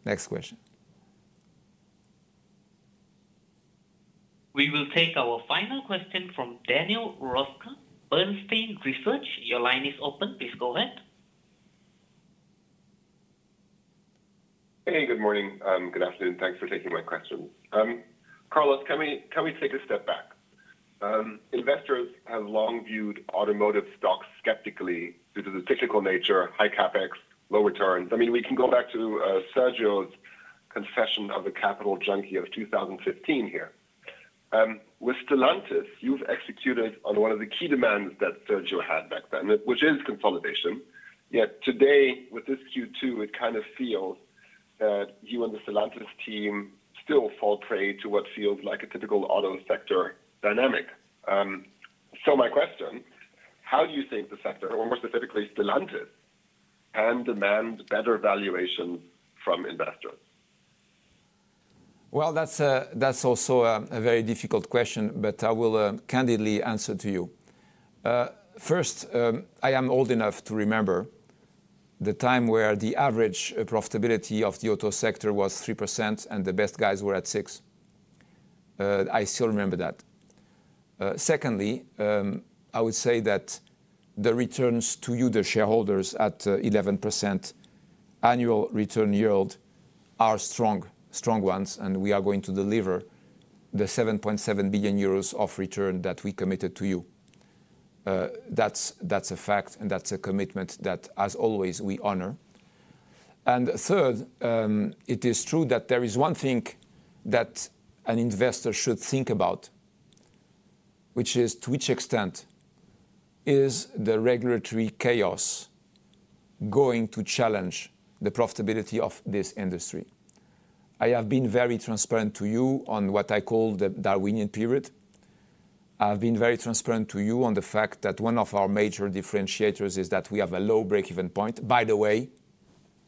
Next question. We will take our final question from Daniel Roeska, Bernstein Research. Your line is open. Please go ahead. Hey, good morning. Good afternoon. Thanks for taking my question. Carlos, can we take a step back? Investors have long viewed automotive stocks skeptically due to the technical nature, high CapEx, low returns. I mean, we can go back to Sergio's confession of the capital junkie of 2015 here. With Stellantis, you've executed on one of the key demands that Sergio had back then, which is consolidation. Yet today, with this Q2, it kind of feels that you and the Stellantis team still fall prey to what feels like a typical auto sector dynamic. So my question, how do you think the sector, or more specifically Stellantis, can demand better valuations from investors? Well that's, that's also a very difficult question, but I will candidly answer to you. First, I am old enough to remember the time where the average profitability of the auto sector was 3% and the best guys were at 6%. I still remember that. Secondly, I would say that the returns to you, the shareholders, at 11% annual return yield are strong, strong ones, and we are going to deliver the 7.7 billion euros of return that we committed to you. That's a fact, and that's a commitment that, as always, we honor. And third, it is true that there is one thing that an investor should think about, which is to which extent is the regulatory chaos going to challenge the profitability of this industry? I have been very transparent to you on what I call the Darwinian period. I have been very transparent to you on the fact that one of our major differentiators is that we have a low break-even point. By the way,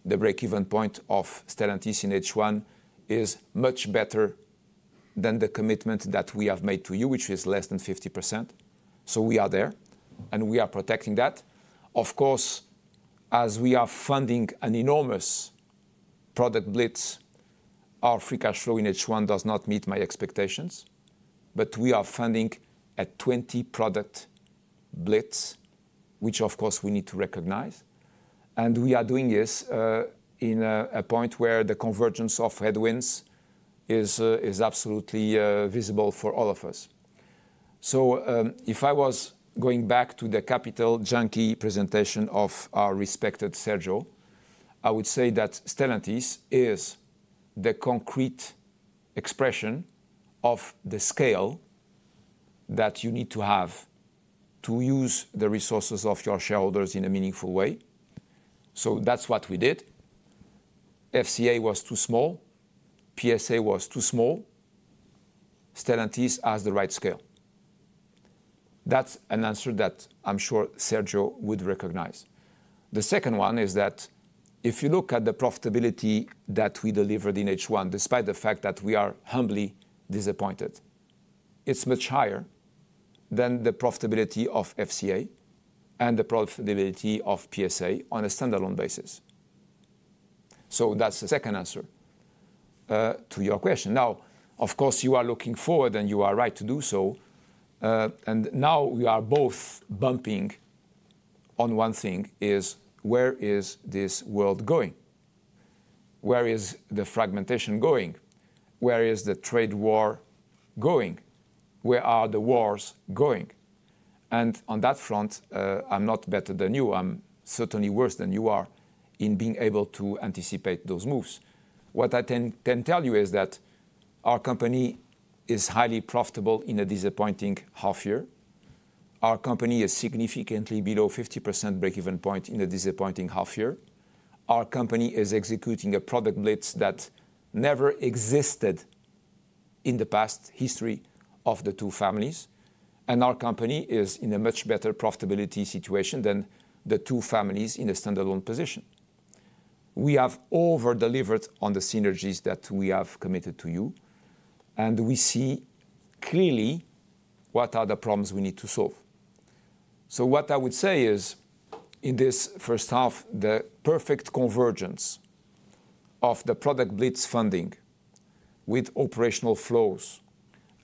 the break-even point of Stellantis in H1 is much better than the commitment that we have made to you, which is less than 50%. So we are there, and we are protecting that. Of course, as we are funding an enormous product blitz, our free cash flow in H1 does not meet my expectations, but we are funding at 20 product blitz, which, of course, we need to recognize. And we are doing this in a point where the convergence of headwinds is absolutely visible for all of us. So if I was going back to the Capital Markets Day presentation of our respected Sergio, I would say that Stellantis is the concrete expression of the scale that you need to have to use the resources of your shareholders in a meaningful way. So that's what we did. FCA was too small. PSA was too small. Stellantis has the right scale. That's an answer that I'm sure Sergio would recognize. The second one is that if you look at the profitability that we delivered in H1, despite the fact that we are humbly disappointed, it's much higher than the profitability of FCA and the profitability of PSA on a standalone basis. So that's the second answer to your question. Now, of course, you are looking forward, and you are right to do so. And now we are both bumping on one thing: is where is this world going? Where is the fragmentation going? Where is the trade war going? Where are the wars going? And on that front, I'm not better than you. I'm certainly worse than you are in being able to anticipate those moves. What I can tell you is that our company is highly profitable in a disappointing half-year. Our company is significantly below 50% break-even point in a disappointing half-year. Our company is executing a product blitz that never existed in the past history of the two families. And our company is in a much better profitability situation than the two families in a standalone position. We have over-delivered on the synergies that we have committed to you, and we see clearly what are the problems we need to solve. What I would say is, in this first half, the perfect convergence of the product blitz funding with operational flows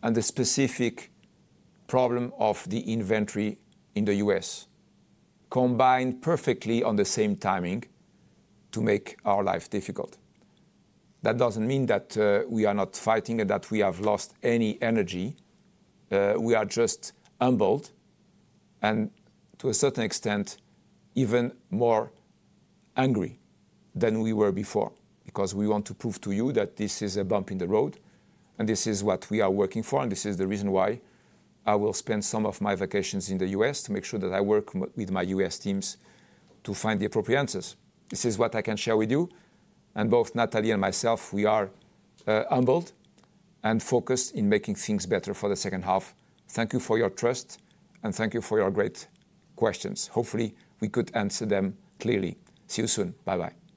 and the specific problem of the inventory in the U.S. combined perfectly on the same timing to make our life difficult. That doesn't mean that we are not fighting and that we have lost any energy. We are just humbled and, to a certain extent, even more angry than we were before because we want to prove to you that this is a bump in the road, and this is what we are working for, and this is the reason why I will spend some of my vacations in the U.S. to make sure that I work with my U.S. teams to find the appropriate answers. This is what I can share with you. Both Natalie and myself, we are humbled and focused in making things better for the second half. Thank you for your trust, and thank you for your great questions. Hopefully, we could answer them clearly. See you soon. Bye-bye.